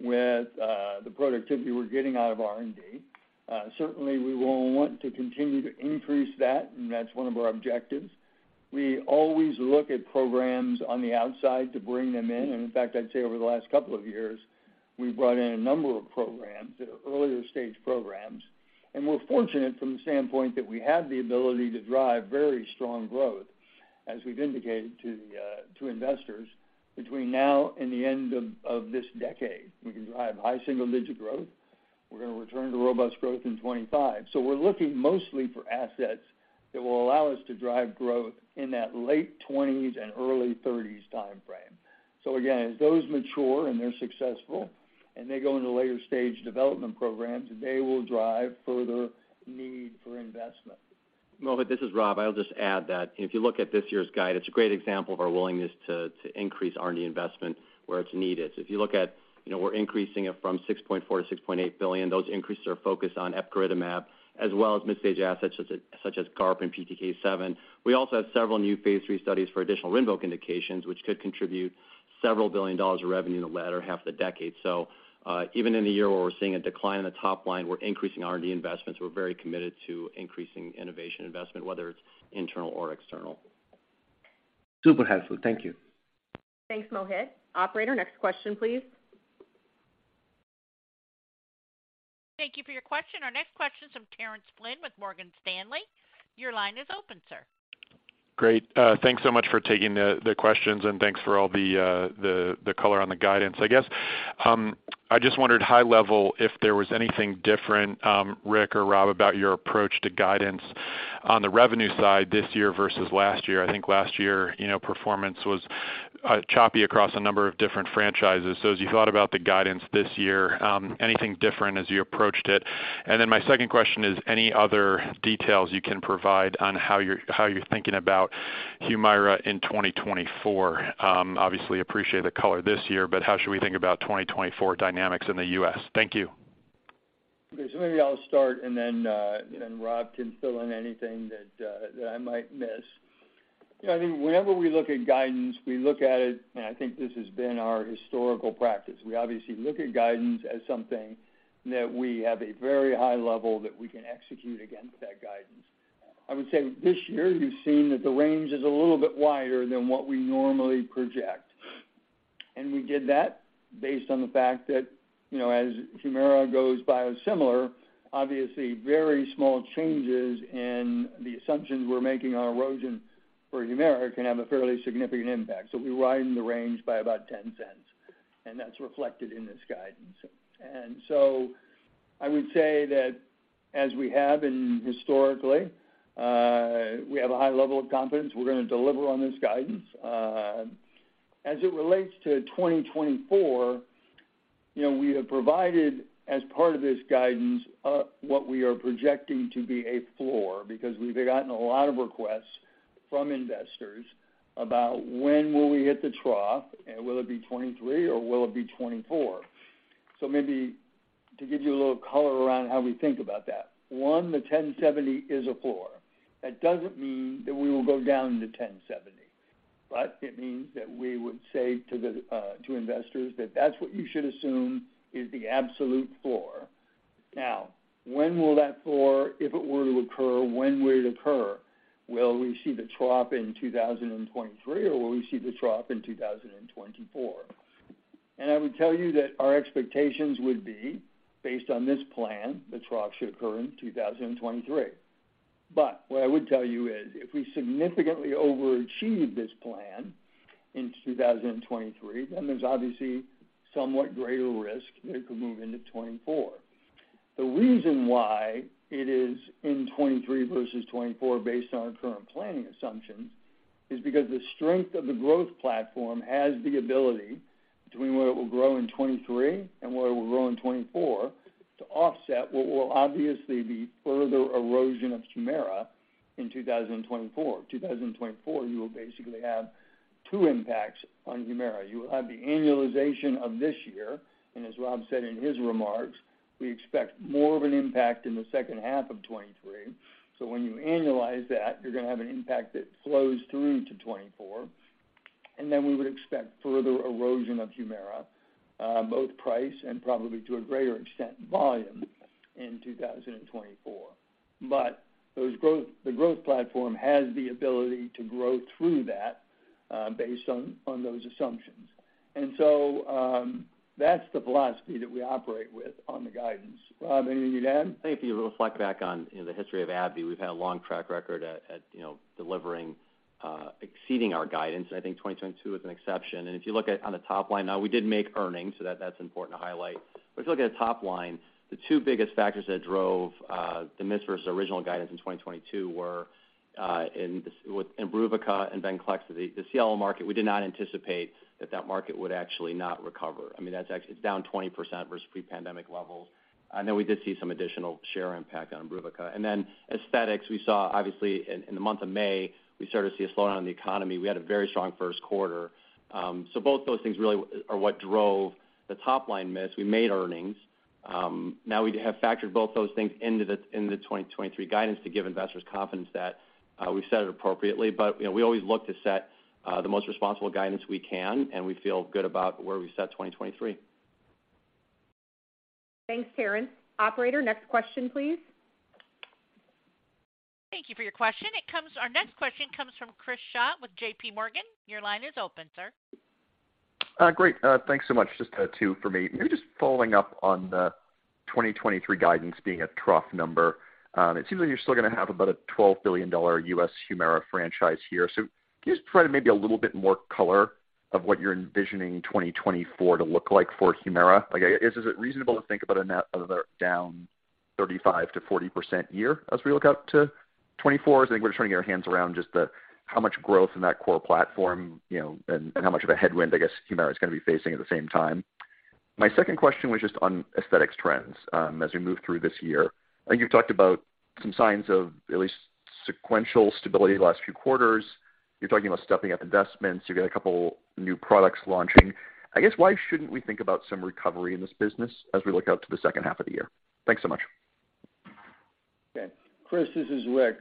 with the productivity we're getting out of R&D. Certainly we will want to continue to increase that, and that's one of our objectives. We always look at programs on the outside to bring them in. In fact, I'd say over the last couple of years, we've brought in a number of programs that are earlier-stage programs. We're fortunate from the standpoint that we have the ability to drive very strong growth, as we've indicated to investors, between now and the end of this decade. We can drive high single-digit growth. We're gonna return to robust growth in 2025. We're looking mostly for assets that will allow us to drive growth in that late 20s and early 30s timeframe. Again, as those mature and they're successful and they go into later-stage development programs, they will drive further need for investment. Mohit, this is Rob. I'll just add that if you look at this year's guide, it's a great example of our willingness to increase R&D investment where it's needed. If you look at, you know, we're increasing it from $6.4 billion to $6.8 billion. Those increases are focused on epcoritamab as well as mid-stage assets such as GARP and PTK7. We also have several new phase III studies for additional RINVOQ indications, which could contribute several billion dollars of revenue in the latter half of the decade. Even in the year where we're seeing a decline in the top line, we're increasing R&D investments. We're very committed to increasing innovation investment, whether it's internal or external. Super helpful. Thank you. Thanks, Mohit. Operator, next question, please. Thank you for your question. Our next question is from Terrence Flynn with Morgan Stanley. Your line is open, sir. Great. Thanks so much for taking the questions, and thanks for all the color on the guidance. I guess, I just wondered high level if there was anything different, Rick or Rob, about your approach to guidance on the revenue side this year versus last year. I think last year, you know, performance was choppy across a number of different franchises. As you thought about the guidance this year, anything different as you approached it? My second question is, any other details you can provide on how you're, how you're thinking about HUMIRA in 2024. Obviously appreciate the color this year, but how should we think about 2024 dynamics in the U.S.? Thank you. Okay. Maybe I'll start, then Rob can fill in anything that I might miss. You know, I think whenever we look at guidance, we look at it, and I think this has been our historical practice, we obviously look at guidance as something that we have a very high level that we can execute against that guidance. I would say this year you've seen that the range is a little bit wider than what we normally project. We did that based on the fact that, you know, as HUMIRA goes biosimilar, obviously very small changes in the assumptions we're making on erosion for HUMIRA can have a fairly significant impact. We widened the range by about $0.10, and that's reflected in this guidance. I would say that as we have been historically, we have a high level of confidence we're gonna deliver on this guidance. As it relates to 2024, you know, we have provided, as part of this guidance, what we are projecting to be a floor because we've gotten a lot of requests from investors about when will we hit the trough, and will it be 23 or will it be 24. Maybe to give you a little color around how we think about that. 1, the $10.70 is a floor. That doesn't mean that we will go down to $10.70, but it means that we would say to the investors that that's what you should assume is the absolute floor. When will that floor, if it were to occur, when would it occur? Will we see the trough in 2023, or will we see the trough in 2024? I would tell you that our expectations would be, based on this plan, the trough should occur in 2023. What I would tell you is if we significantly overachieve this plan in 2023, then there's obviously somewhat greater risk that it could move into '24. The reason why it is in '23 versus '24 based on our current planning assumptions, is because the strength of the growth platform has the ability between where it will grow in '23 and where it will grow in '24 to offset what will obviously be further erosion of HUMIRA in 2024. 2024, you will basically have 2 impacts on HUMIRA. You will have the annualization of this year. As Rob said in his remarks, we expect more of an impact in the second half of 2023. When you annualize that, you're gonna have an impact that flows through to 2024. Then we would expect further erosion of HUMIRA, both price and probably to a greater extent, volume in 2024. The growth platform has the ability to grow through that, based on those assumptions. That's the philosophy that we operate with on the guidance. Rob, anything you'd add? I think if you reflect back on, you know, the history of AbbVie, we've had a long track record at, you know, delivering, exceeding our guidance. I think 2022 is an exception. If you look at on the top line. Now, we did make earnings, so that's important to highlight. If you look at the top line, the two biggest factors that drove the miss versus original guidance in 2022 were with ENBREL, VIEKIRA and VENCLEXTA. The CLL market, we did not anticipate that market would actually not recover. I mean, that's actually, it's down 20% versus pre-pandemic levels. Then we did see some additional share impact on ENBREL. Then aesthetics, we saw obviously in the month of May, we started to see a slowdown in the economy. We had a very strong first quarter. Both those things really are what drove the top line miss. We made earnings. Now we have factored both those things into the 2023 guidance to give investors confidence that we've set it appropriately. You know, we always look to set the most responsible guidance we can, and we feel good about where we've set 2023. Thanks, Terrence. Operator, next question, please. Thank you for your question. Our next question comes from Chris Schott with JPMorgan. Your line is open, sir. Great. Thanks so much. Just two for me. Maybe just following up on the 2023 guidance being a trough number. It seems like you're still gonna have about a $12 billion U.S. HUMIRA franchise here. Can you just provide maybe a little bit more color of what you're envisioning 2024 to look like for HUMIRA? Is it reasonable to think about a net other than down 35%-40% year as we look out to 2024? I think we're just trying to get our hands around just how much growth in that core platform, you know, and how much of a headwind I guess HUMIRA is gonna be facing at the same time. My second question was just on aesthetics trends, as we move through this year. I think you've talked about some signs of at least sequential stability the last few quarters. You're talking about stepping up investments. You've got a couple new products launching. I guess, why shouldn't we think about some recovery in this business as we look out to the second half of the year? Thanks so much. Okay. Chris, this is Rick.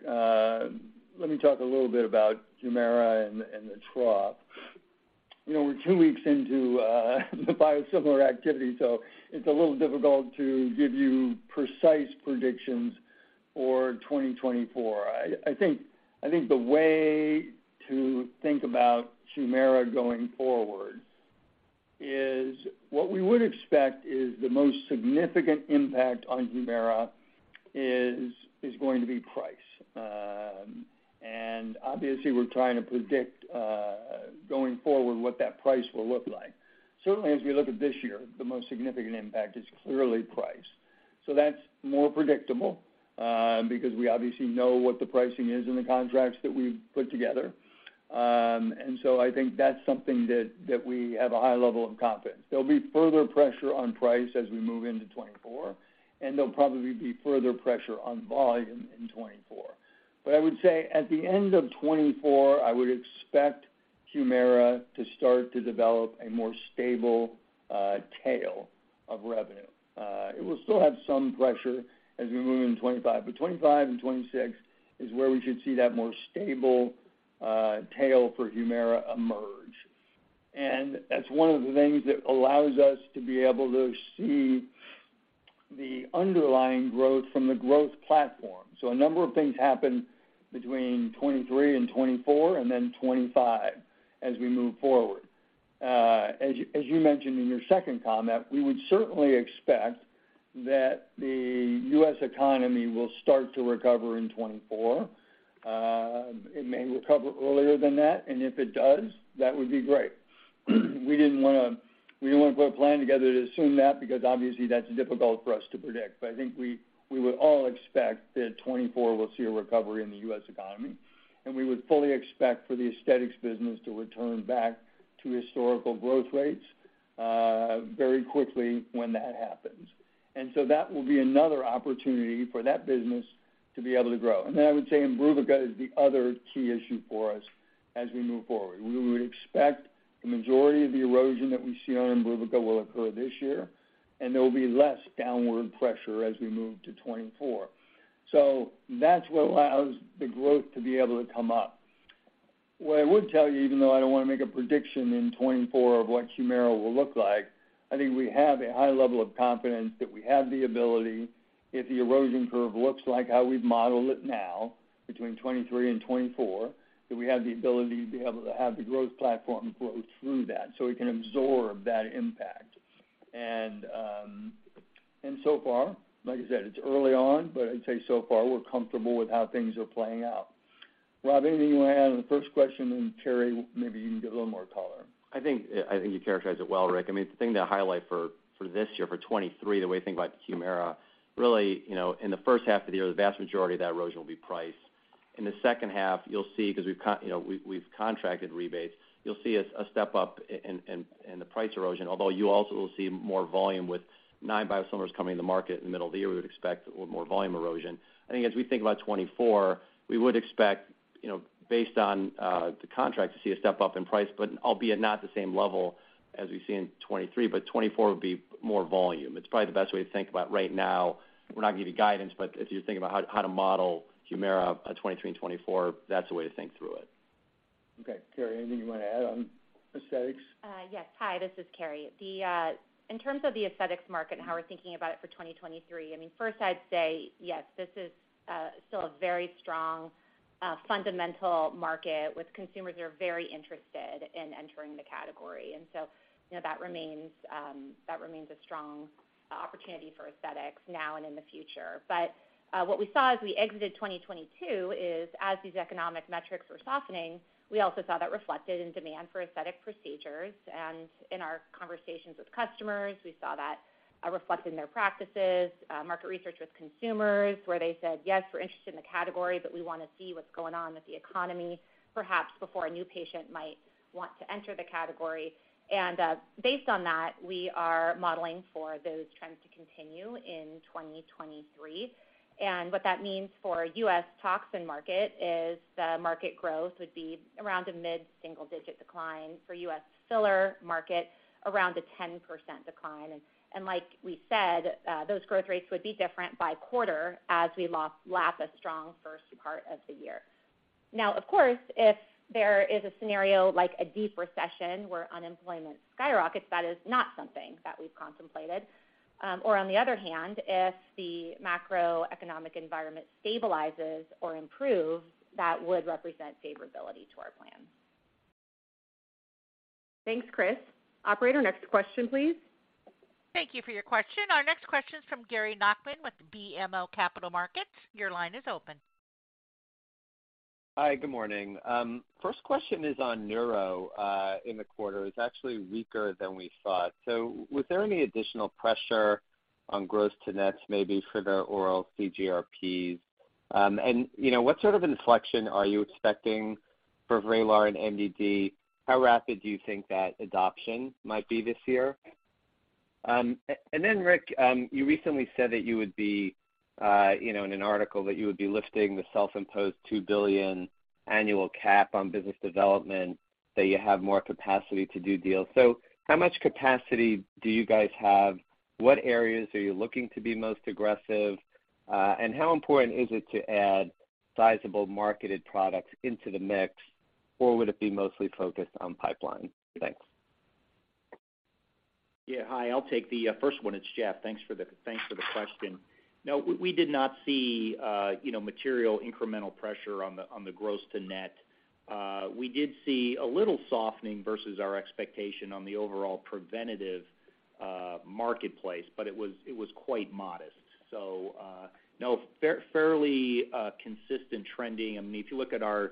Let me talk a little bit about HUMIRA and the trough. You know, we're two weeks into the biosimilar activity, so it's a little difficult to give you precise predictions for 2024. I think the way to think about HUMIRA going forward is what we would expect is the most significant impact on HUMIRA is going to be price. Obviously we're trying to predict going forward what that price will look like. Certainly, as we look at this year, the most significant impact is clearly price. That's more predictable, because we obviously know what the pricing is in the contracts that we've put together. I think that's something that we have a high level of confidence. There'll be further pressure on price as we move into 2024, and there'll probably be further pressure on volume in 2024. I would say at the end of 2024, I would expect HUMIRA to start to develop a more stable tail of revenue. It will still have some pressure as we move into 2025, but 2025 and 2026 is where we should see that more stable tail for HUMIRA emerge. That's one of the things that allows us to be able to see the underlying growth from the growth platform. A number of things happen between 2023 and 2024 and then 2025 as we move forward. As you mentioned in your second comment, we would certainly expect that the U.S. economy will start to recover in 2024. It may recover earlier than that, and if it does, that would be great. We didn't wanna put a plan together to assume that because obviously that's difficult for us to predict. I think we would all expect that 2024 will see a recovery in the U.S. economy, and we would fully expect for the Aesthetics business to return back to historical growth rates very quickly when that happens. That will be another opportunity for that business to be able to grow. I would say IMBRUVICA is the other key issue for us as we move forward. We would expect the majority of the erosion that we see on IMBRUVICA will occur this year, and there will be less downward pressure as we move to 2024. That's what allows the growth to be able to come up. What I would tell you, even though I don't wanna make a prediction in 2024 of what HUMIRA will look like, I think we have a high level of confidence that we have the ability, if the erosion curve looks like how we've modeled it now between 2023 and 2024, that we have the ability to be able to have the growth platform grow through that, so we can absorb that impact. So far, like I said, it's early on, but I'd say so far we're comfortable with how things are playing out. Rob, anything you wanna add on the first question? Carrie, maybe you can give a little more color. I think you characterized it well, Rick. I mean, the thing to highlight for this year, for 2023, the way to think about HUMIRA, really, you know, in the first half of the year, the vast majority of that erosion will be price. In the second half, you'll see, 'cause you know, we've contracted rebates, you'll see a step up in the price erosion, although you also will see more volume with 9 biosimilars coming to the market in the middle of the year, we would expect more volume erosion. I think as we think about 2024, we would expect, you know, based on the contract to see a step-up in price, but albeit not the same level as we see in 2023, but 2024 would be more volume. It's probably the best way to think about right now. We're not giving guidance, as you think about how to model HUMIRA, '23 and '24, that's the way to think through it. Okay. Carrie, anything you wanna add on aesthetics? Yes. Hi, this is Carrie. In terms of the aesthetics market and how we're thinking about it for 2023, I mean, first I'd say, yes, this is still a very strong, fundamental market with consumers that are very interested in entering the category. You know, that remains a strong opportunity for aesthetics now and in the future. What we saw as we exited 2022 is as these economic metrics were softening, we also saw that reflected in demand for aesthetic procedures. In our conversations with customers, we saw that reflect in their practices, market research with consumers, where they said, "Yes, we're interested in the category, but we wanna see what's going on with the economy," perhaps before a new patient might want to enter the category. Based on that, we are modeling for those trends to continue in 2023. What that means for US toxin market is the market growth would be around a mid-single digit decline. For US filler market, around a 10% decline. Like we said, those growth rates would be different by quarter as we lap a strong first part of the year. Of course, if there is a scenario like a deep recession where unemployment skyrockets, that is not something that we've contemplated. Or on the other hand, if the macroeconomic environment stabilizes or improves, that would represent favorability to our plan. Thanks, Chris. Operator, next question, please. Thank you for your question. Our next question is from Gary Nachman with BMO Capital Markets. Your line is open. Hi. Good morning. First question is on neuro in the quarter. It's actually weaker than we thought. Was there any additional pressure on gross to nets, maybe for the oral CGRPs? You know, what sort of inflection are you expecting for VRAYLAR and MDD? How rapid do you think that adoption might be this year? Rick, you recently said that you would be, you know, in an article that you would be lifting the self-imposed $2 billion annual cap on business development, that you have more capacity to do deals. How much capacity do you guys have? What areas are you looking to be most aggressive, how important is it to add sizable marketed products into the mix, or would it be mostly focused on pipeline? Thanks. Yeah. Hi, I'll take the first one. It's Jeff. Thanks for the question. No, we did not see, you know, material incremental pressure on the gross to net. We did see a little softening versus our expectation on the overall preventative marketplace, but it was quite modest. No, fairly consistent trending. I mean, if you look at our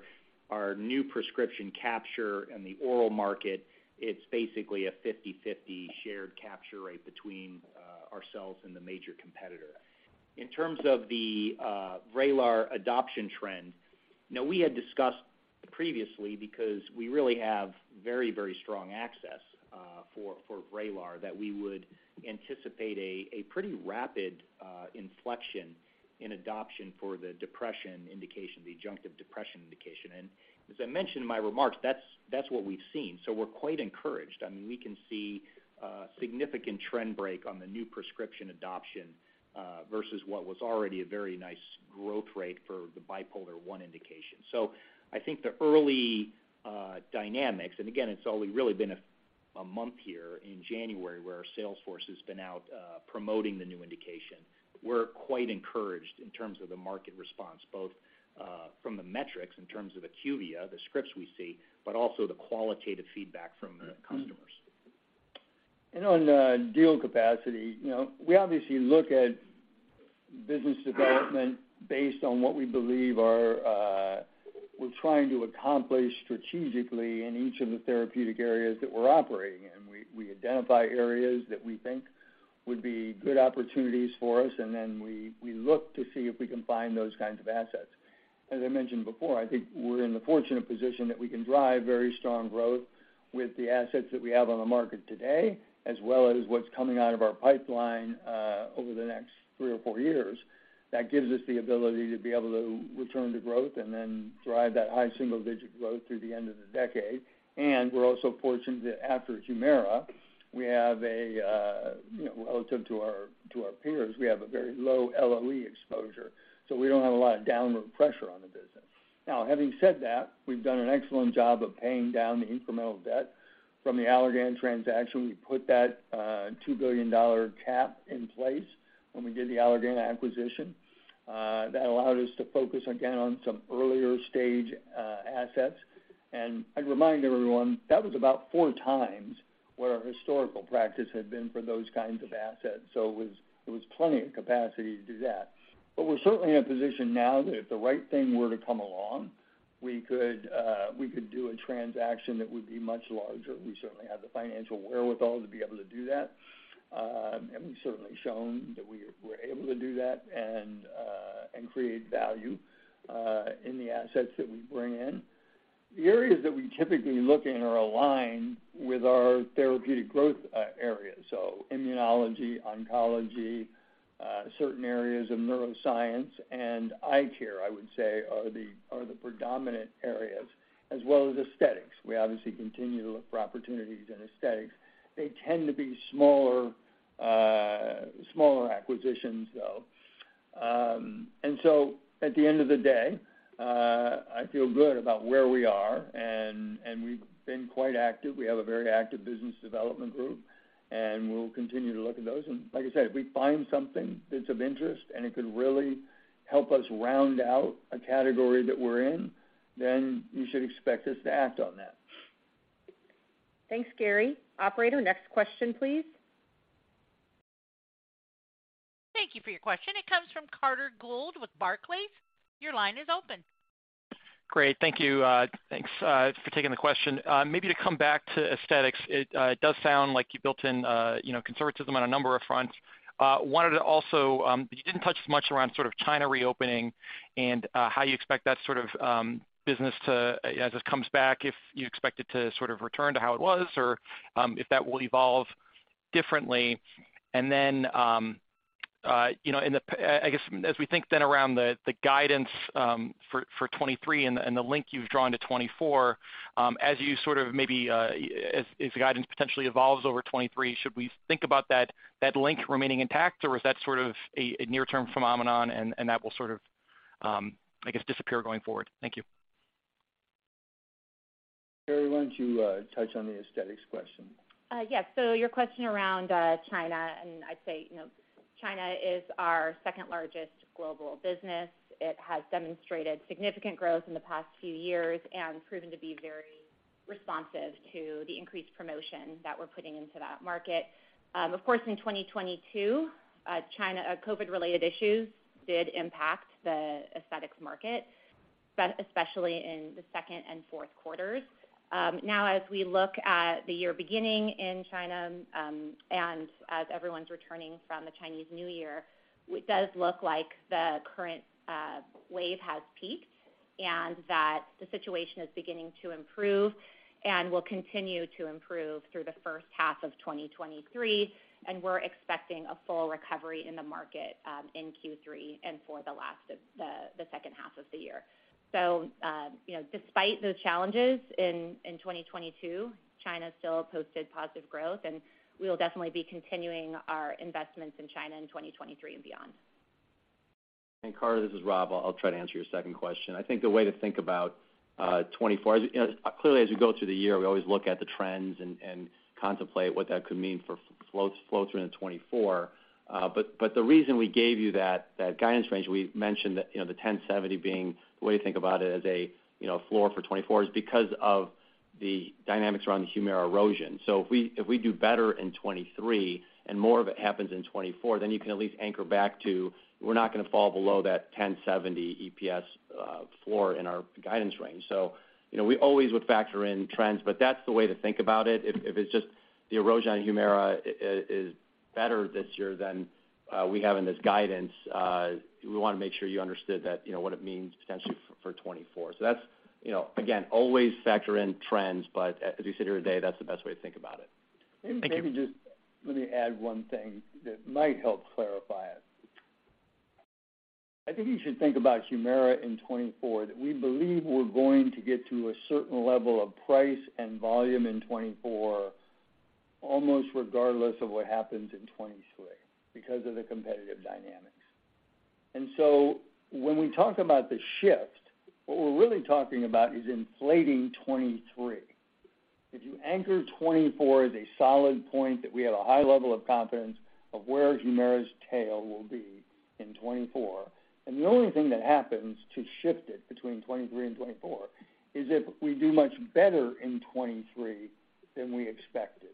new prescription capture in the oral market, it's basically a 50/50 shared capture rate between ourselves and the major competitor. In terms of the VRAYLAR adoption trend, you know, we had discussed previously because we really have very, very strong access for VRAYLAR, that we would anticipate a pretty rapid inflection in adoption for the depression indication, the adjunctive depression indication. As I mentioned in my remarks, that's what we've seen. We're quite encouraged. I mean, we can see a significant trend break on the new prescription adoption versus what was already a very nice growth rate for the bipolar one indication. I think the early dynamics, and again, it's only really been a month here in January where our sales force has been out promoting the new indication. We're quite encouraged in terms of the market response, both from the metrics in terms of the IQVIA, the scripts we see, but also the qualitative feedback from the customers. On deal capacity, you know, we obviously look at business development based on what we believe are, we're trying to accomplish strategically in each of the therapeutic areas that we're operating in. We identify areas that we think would be good opportunities for us, and then we look to see if we can find those kinds of assets. As I mentioned before, I think we're in the fortunate position that we can drive very strong growth with the assets that we have on the market today, as well as what's coming out of our pipeline, over the next three or four years. That gives us the ability to be able to return to growth and then drive that high single digit growth through the end of the decade. We're also fortunate that after HUMIRA, we have a, you know, relative to our, to our peers, we have a very low LOE exposure, so we don't have a lot of downward pressure on the business. Now, having said that, we've done an excellent job of paying down the incremental debt from the Allergan transaction. We put that $2 billion cap in place when we did the Allergan acquisition. That allowed us to focus again on some earlier stage assets. I'd remind everyone that was about 4x where our historical practice had been for those kinds of assets. It was plenty of capacity to do that. We're certainly in a position now that if the right thing were to come along, we could do a transaction that would be much larger. We certainly have the financial wherewithal to be able to do that. We've certainly shown that we're able to do that and create value in the assets that we bring in. The areas that we typically look in are aligned with our therapeutic growth areas. Immunology, oncology, certain areas of neuroscience and eye care, I would say are the predominant areas, as well as aesthetics. We obviously continue to look for opportunities in aesthetics. They tend to be smaller acquisitions, though. At the end of the day, I feel good about where we are, and we've been quite active. We have a very active business development group, and we'll continue to look at those. Like I said, if we find something that's of interest and it could really help us round out a category that we're in, then you should expect us to act on that. Thanks, Gary. Operator, next question, please. Thank you for your question. It comes from Carter Gould with Barclays. Your line is open. Great. Thank you. thanks for taking the question. maybe to come back to aesthetics, it does sound like you built in, you know, conservatism on a number of fronts. wanted to also, but you didn't touch as much around sort of China reopening and how you expect that sort of business to, as it comes back, if you expect it to sort of return to how it was or if that will evolve differently? You know, I guess as we think then around the guidance for 2023 and the link you've drawn to 2024, as you sort of maybe, as the guidance potentially evolves over 2023, should we think about that link remaining intact, or is that sort of a near-term phenomenon and that will sort of, I guess, disappear going forward? Thank you. Carrie, why don't you touch on the aesthetics question? Yes. Your question around China, and I'd say, you know, China is our second-largest global business. It has demonstrated significant growth in the past few years and proven to be very responsive to the increased promotion that we're putting into that market. Of course, in 2022, COVID-related issues did impact the aesthetics market, especially in the second and fourth quarters. Now as we look at the year beginning in China, and as everyone's returning from the Chinese New Year, it does look like the current wave has peaked and that the situation is beginning to improve and will continue to improve through the first half of 2023, and we're expecting a full recovery in the market in Q3 and for the last of the second half of the year. You know, despite those challenges in 2022, China still posted positive growth, and we will definitely be continuing our investments in China in 2023 and beyond. Carter, this is Rob. I'll try to answer your second question. I think the way to think about 2024 is, you know, clearly as we go through the year, we always look at the trends and contemplate what that could mean for flows are in 2024. The reason we gave you that guidance range, we mentioned that, you know, the $10.70 being the way to think about it as a, you know, floor for 2024 is because of the dynamics around the HUMIRA erosion. If we, if we do better in 2023 and more of it happens in 2024, then you can at least anchor back to, we're not gonna fall below that $10.70 EPS floor in our guidance range. You know, we always would factor in trends, but that's the way to think about it. If it's just the erosion on HUMIRA is better this year than we have in this guidance, we wanna make sure you understood that, you know, what it means potentially for 2024. That's, you know. Again, always factor in trends, but as you sit here today, that's the best way to think about it. Maybe just let me add one thing that might help clarify it. I think you should think about HUMIRA in 2024, that we believe we're going to get to a certain level of price and volume in 2024, almost regardless of what happens in 2023 because of the competitive dynamics. When we talk about the shift, what we're really talking about is inflating 2023. If you anchor 2024 as a solid point that we have a high level of confidence of where HUMIRA's tail will be in 2024, the only thing that happens to shift it between 2023 and 2024 is if we do much better in 2023 than we expected,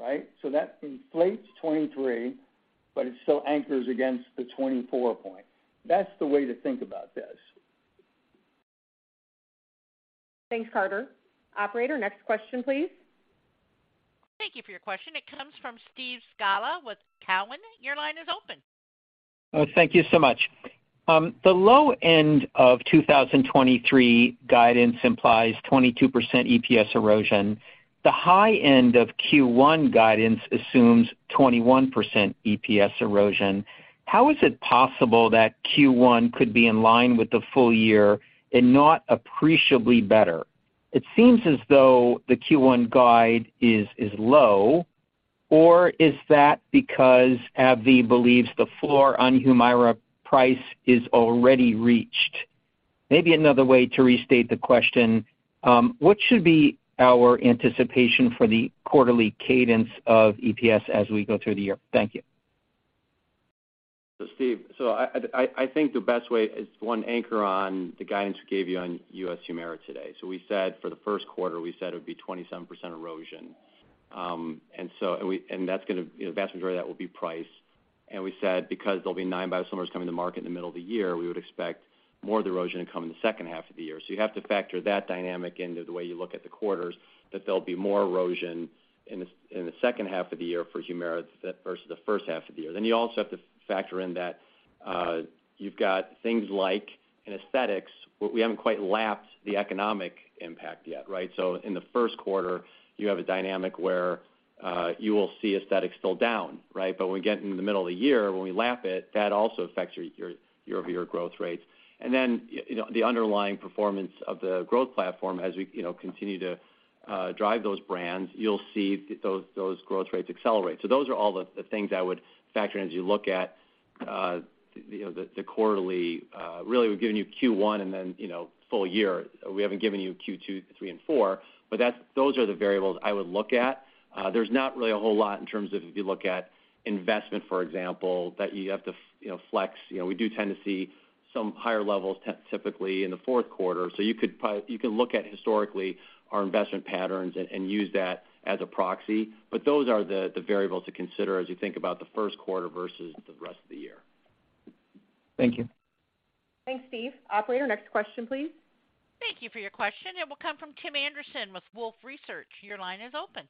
right? That inflates 2023, but it still anchors against the 2024 point. That's the way to think about this. Thanks, Carter. Operator, next question, please. Thank you for your question. It comes from Steve Scala with Cowen. Your line is open. Thank you so much. The low end of 2023 guidance implies 22% EPS erosion. The high end of Q1 guidance assumes 21% EPS erosion. How is it possible that Q1 could be in line with the full year and not appreciably better? It seems as though the Q1 guide is low, or is that because AbbVie believes the floor on HUMIRA price is already reached? Maybe another way to restate the question, what should be our anticipation for the quarterly cadence of EPS as we go through the year? Thank you. Steve, I think the best way is to, one, anchor on the guidance we gave you on U.S. HUMIRA today. We said for the first quarter, we said it would be 27% erosion. That's gonna, you know, the vast majority of that will be price. We said, because there'll be nine biosimilars coming to market in the middle of the year, we would expect more of the erosion to come in the second half of the year. You have to factor that dynamic into the way you look at the quarters, that there'll be more erosion in the second half of the year for HUMIRA versus the first half of the year. You also have to factor in that you've got things like in aesthetics, we haven't quite lapped the economic impact yet, right? In the first quarter, you have a dynamic where you will see aesthetics still down, right? When we get into the middle of the year when we lap it, that also affects your year-over-year growth rates. You know, the underlying performance of the growth platform as we, you know, continue to drive those brands, you'll see those growth rates accelerate. Those are all the things I would factor in as you look at, you know, the quarterly. Really, we've given you Q1 and then, you know, full year. We haven't given you Q2, three and four, but those are the variables I would look at. There's not really a whole lot in terms of if you look at investment, for example, that you have to you know, flex. You know, we do tend to see some higher levels typically in the fourth quarter. You can look at historically our investment patterns and use that as a proxy. Those are the variables to consider as you think about the first quarter versus the rest of the year. Thank you. Thanks, Steve. Operator, next question, please. Thank you for your question. It will come from Tim Anderson with Wolfe Research. Your line is open.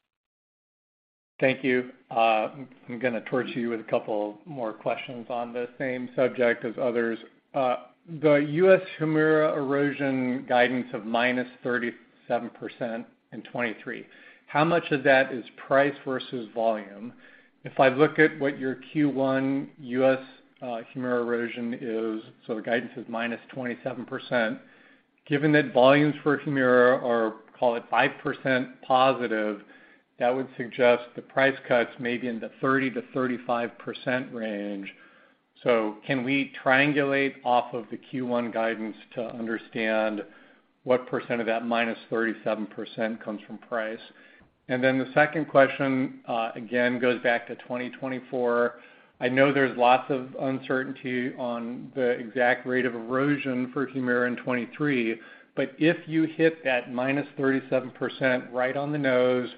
Thank you. I'm gonna torch you with a couple more questions on the same subject as others. The U.S. HUMIRA erosion guidance of -37% in 2023, how much of that is price versus volume? If I look at what your Q1 U.S. HUMIRA erosion is, so the guidance is -27%. Given that volumes for HUMIRA are, call it 5% positive, that would suggest the price cut's maybe in the 30%-35% range. Can we triangulate off of the Q1 guidance to understand what percent of that -37% comes from price? The second question, again, goes back to 2024. I know there's lots of uncertainty on the exact rate of erosion for Humira in 2023, but if you hit that -37% right on the nose,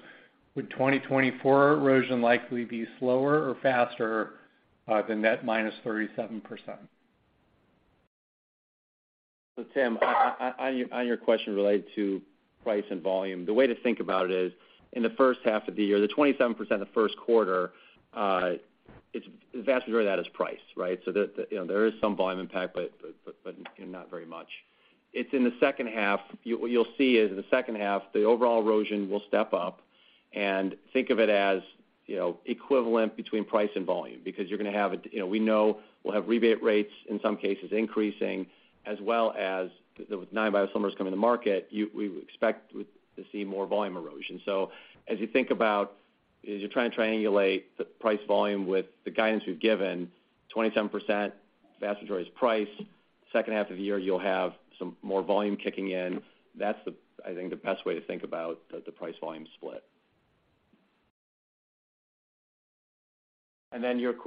would 2024 erosion likely be slower or faster than that -37%? Tim, on your question related to price and volume, the way to think about it is in the first half of the year, the 27% the first quarter, it's, the vast majority of that is price, right? The, you know, there is some volume impact, but not very much. It's in the second half. What you'll see is in the second half, the overall erosion will step up, and think of it as, you know, equivalent between price and volume because you're gonna have a, you know, we know we'll have rebate rates, in some cases, increasing, as well as the 9 biosimilars coming to market, we would expect to see more volume erosion. As you think about, as you're trying to triangulate the price volume with the guidance we've given, 27%, vast majority is price. Second half of the year, you'll have some more volume kicking in. That's the, I think, the best way to think about the price-volume split.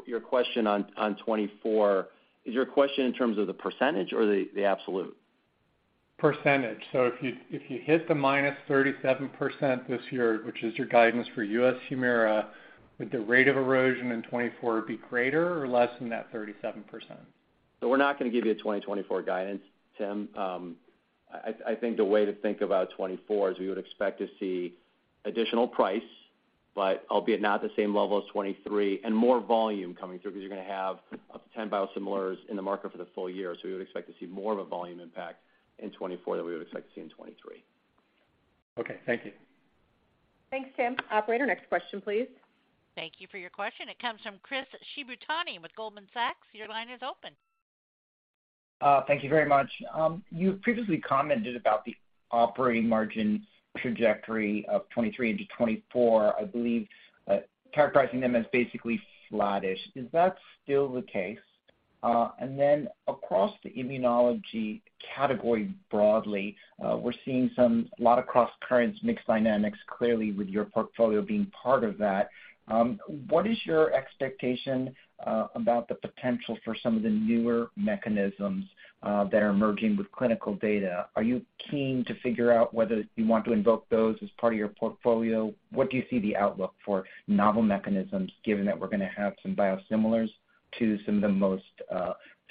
Your question on 2024. Is your question in terms of the % or the absolute? Percentage. If you hit the -37% this year, which is your guidance for U.S. HUMIRA, would the rate of erosion in 2024 be greater or less than that 37%? We're not gonna give you a 2024 guidance, Tim. I think the way to think about 2024 is we would expect to see additional price, but albeit not the same level as 2023, and more volume coming through because you're gonna have up to 10 biosimilars in the market for the full year. We would expect to see more of a volume impact in 2024 than we would expect to see in 2023. Okay. Thank you. Thanks, Tim. Operator, next question, please. Thank you for your question. It comes from Chris Shibutani with Goldman Sachs. Your line is open. Thank you very much. You previously commented about the operating margin trajectory of 23 into 24, I believe, characterizing them as basically flattish. Is that still the case? Across the immunology category broadly, we're seeing some lot of cross currents mix dynamics clearly with your portfolio being part of that. What is your expectation about the potential for some of the newer mechanisms that are merging with clinical data? Are you keen to figure out whether you want to invoke those as part of your portfolio? What do you see the outlook for novel mechanisms given that we're gonna have some biosimilars to some of the most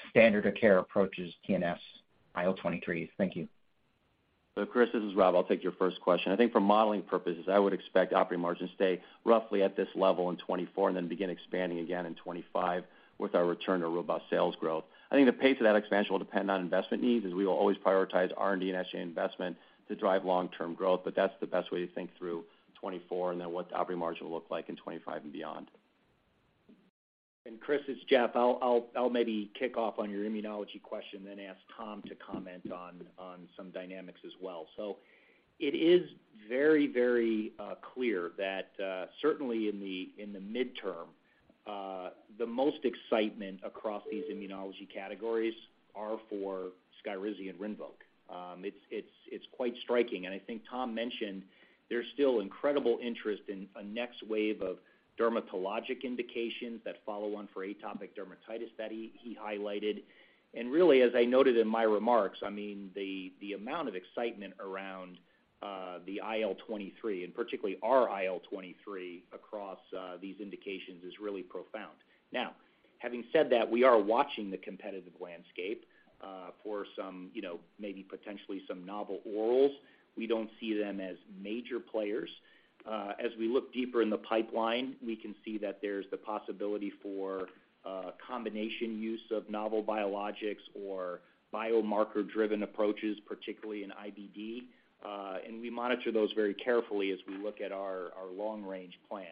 standard of care approaches, TNF, IL-23. Thank you. Chris, this is Rob. I'll take your first question. I think for modeling purposes, I would expect operating margins stay roughly at this level in 2024 and then begin expanding again in 2025 with our return to robust sales growth. I think the pace of that expansion will depend on investment needs as we will always prioritize R&D and SGA investment to drive long-term growth, that's the best way to think through 2024 and then what the operating margin will look like in 2025 and beyond. Chris, it's Jeff. I'll maybe kick off on your immunology question, then ask Tom to comment on some dynamics as well. It is very, very clear that certainly in the midterm the most excitement across these immunology categories are for SKYRIZI and RINVOQ. It's quite striking. I think Tom mentioned there's still incredible interest in a next wave of dermatologic indications that follow on for atopic dermatitis that he highlighted. Really, as I noted in my remarks, I mean, the amount of excitement around the IL-23, and particularly our IL-23 across these indications is really profound. Having said that, we are watching the competitive landscape for some, you know, maybe potentially some novel orals. We don't see them as major players. As we look deeper in the pipeline, we can see that there's the possibility for combination use of novel biologics or biomarker-driven approaches, particularly in IBD. We monitor those very carefully as we look at our long-range plan.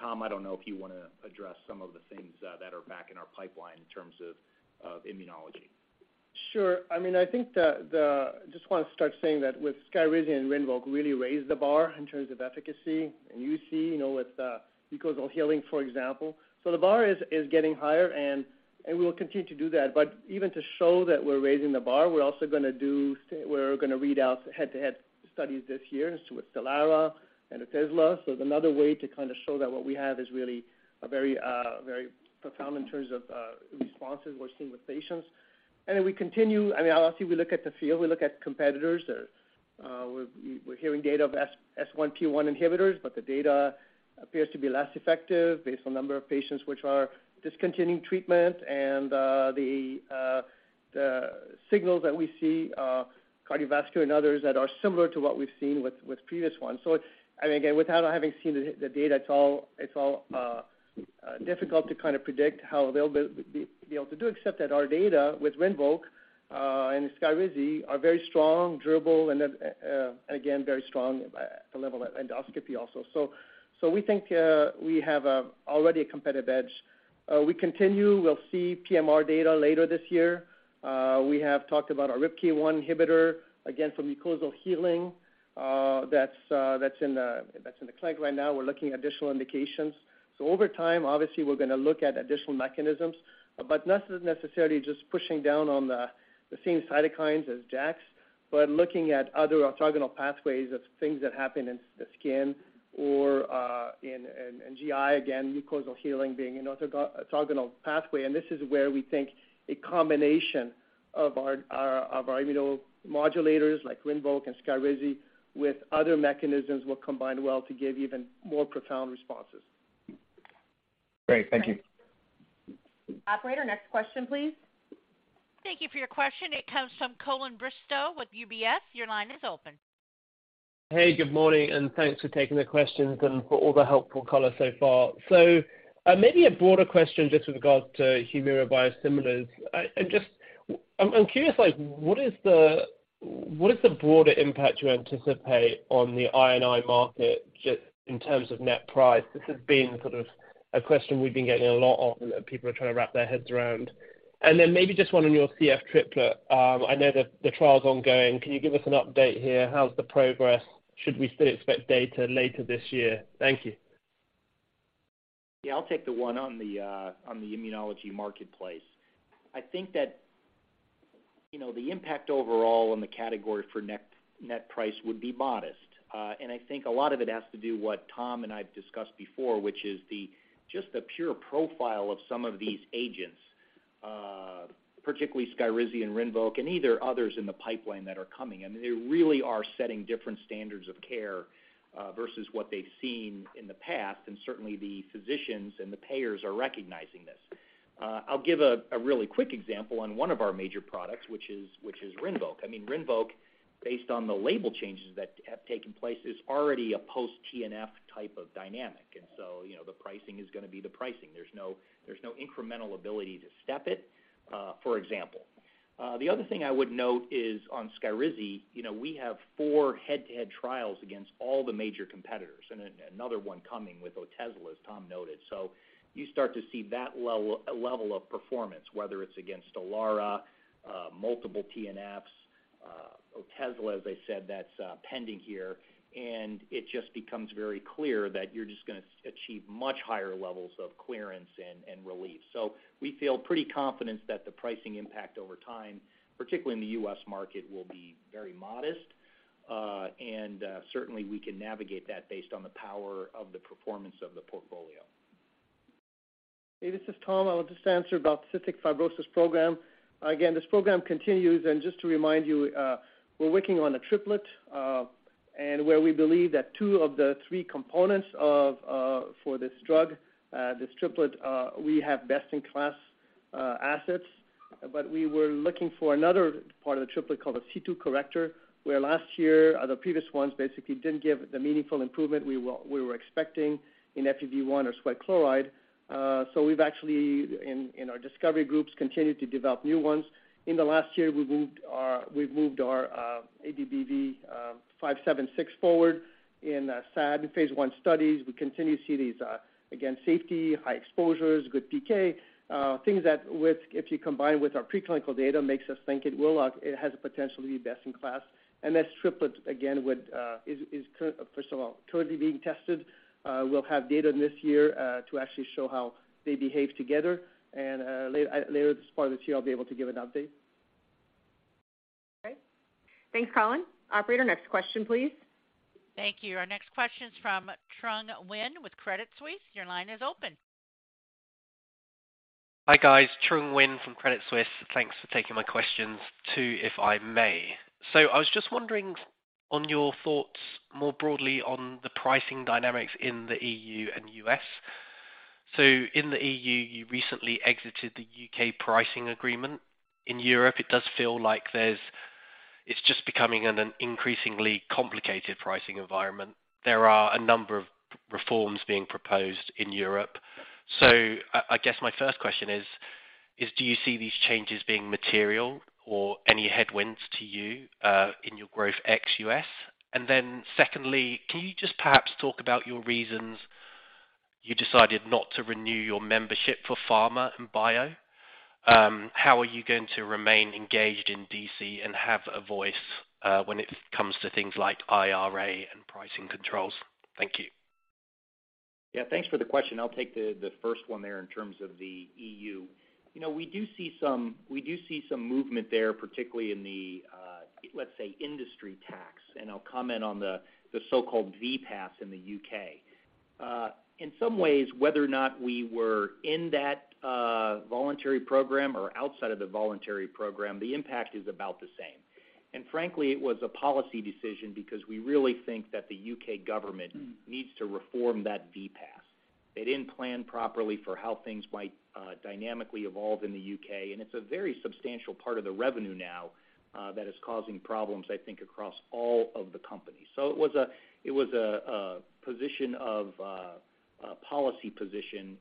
Tom, I don't know if you wanna address some of the things that are back in our pipeline in terms of immunology. Sure. I mean, I think the just wanna start saying that with SKYRIZI and RINVOQ really raised the bar in terms of efficacy. You see, you know, with mucosal healing, for example. The bar is getting higher and we will continue to do that. Even to show that we're raising the bar, we're also gonna read out head-to-head studies this year with STELARA and Otezla. It's another way to kind of show that what we have is really a very profound in terms of responses we're seeing with patients. Then we continue, I mean, obviously, we look at the field, we look at competitors. We're hearing data of S1P1 inhibitors, the data appears to be less effective based on number of patients which are discontinuing treatment and the signals that we see, cardiovascular and others that are similar to what we've seen with previous ones. I mean, again, without having seen the data, it's all difficult to kind of predict how they'll be able to do, except that our data with RINVOQ and SKYRIZI are very strong, durable, and again, very strong at the level of endoscopy also. We think we have already a competitive edge. We continue. We'll see PMR data later this year. We have talked about our RIPK1 inhibitor, again, for mucosal healing, that's in the clinic right now. We're looking at additional indications. Over time, obviously, we're gonna look at additional mechanisms, but not necessarily just pushing down on the same cytokines as JAKs. Looking at other orthogonal pathways of things that happen in the skin or in GI, again, mucosal healing being an orthogonal pathway. This is where we think a combination of our immunomodulators like RINVOQ and SKYRIZI with other mechanisms will combine well to give even more profound responses. Great. Thank you. Operator, next question, please. Thank you for your question. It comes from Colin Bristow with UBS. Your line is open. Hey, good morning, and thanks for taking the questions and for all the helpful color so far. Maybe a broader question just with regards to HUMIRA biosimilars. I'm curious, like what is the broader impact you anticipate on the I&I market just in terms of net price? This has been sort of a question we've been getting a lot of, and people are trying to wrap their heads around. Then maybe just one on your CF triplet. I know the trial's ongoing. Can you give us an update here? How's the progress? Should we still expect data later this year? Thank you. Yeah, I'll take the one on the immunology marketplace. I think that, you know, the impact overall on the category for net price would be modest. I think a lot of it has to do what Tom and I have discussed before, which is the just the pure profile of some of these agents, particularly SKYRIZI and RINVOQ and either others in the pipeline that are coming. I mean, they really are setting different standards of care versus what they've seen in the past, and certainly the physicians and the payers are recognizing this. I'll give a really quick example on one of our major products, which is RINVOQ. I mean, RINVOQ, based on the label changes that have taken place, is already a post-TNF type of dynamic. You know, the pricing is gonna be the pricing. There's no incremental ability to step it, for example. The other thing I would note is on SKYRIZI, you know, we have four head-to-head trials against all the major competitors, and another one coming with Otezla, as Tom noted. You start to see that level of performance, whether it's against ELARA, multiple TNFs, Otezla, as I said, that's pending here, and it just becomes very clear that you're just gonna achieve much higher levels of clearance and relief. We feel pretty confident that the pricing impact over time, particularly in the U.S. market, will be very modest. Certainly we can navigate that based on the power of the performance of the portfolio. Hey, this is Tom. I'll just answer about cystic fibrosis program. This program continues. Just to remind you, we're working on a triplet, and where we believe that two of the three components of for this drug, this triplet, we have best-in-class assets. We were looking for another part of the triplet called a C2 corrector, where last year, the previous ones basically didn't give the meaningful improvement we were expecting in FEV1 or sweat chloride. We've actually in our discovery groups, continued to develop new ones. In the last year, we've moved our ABBV-576 forward in sad phase I studies. We continue to see these, again, safety, high exposures, good PK, things that with, if you combine with our preclinical data, makes us think it will, it has the potential to be best in class. And this triplet again would first of all, currently being tested. We'll have data this year to actually show how they behave together. And later this part of the year, I'll be able to give an update. Okay. Thanks, Colin. Operator, next question, please. Thank you. Our next question's from Trung Huynh with Credit Suisse. Your line is open. Hi, guys. Trung Huynh from Credit Suisse. Thanks for taking my questions. Two, if I may. I was just wondering on your thoughts more broadly on the pricing dynamics in the EU and US. In the EU, you recently exited the UK pricing agreement. In Europe, it does feel like it's just becoming an increasingly complicated pricing environment. There are a number of reforms being proposed in Europe. I guess my first question is, do you see these changes being material or any headwinds to you in your growth ex-US? Secondly, can you just perhaps talk about your reasons you decided not to renew your membership for PhRMA and BIO? How are you going to remain engaged in D.C. and have a voice when it comes to things like IRA and pricing controls? Thank you. Yeah. Thanks for the question. I'll take the first one there in terms of the EU. You know, we do see some movement there, particularly in the, let's say, industry tax. I'll comment on the so-called VPAS in the UK. In some ways, whether or not we were in that voluntary program or outside of the voluntary program, the impact is about the same. Frankly, it was a policy decision because we really think that the UK government needs to reform that VPAS. They didn't plan properly for how things might dynamically evolve in the UK, it's a very substantial part of the revenue now that is causing problems, I think, across all of the companies. It was a policy position,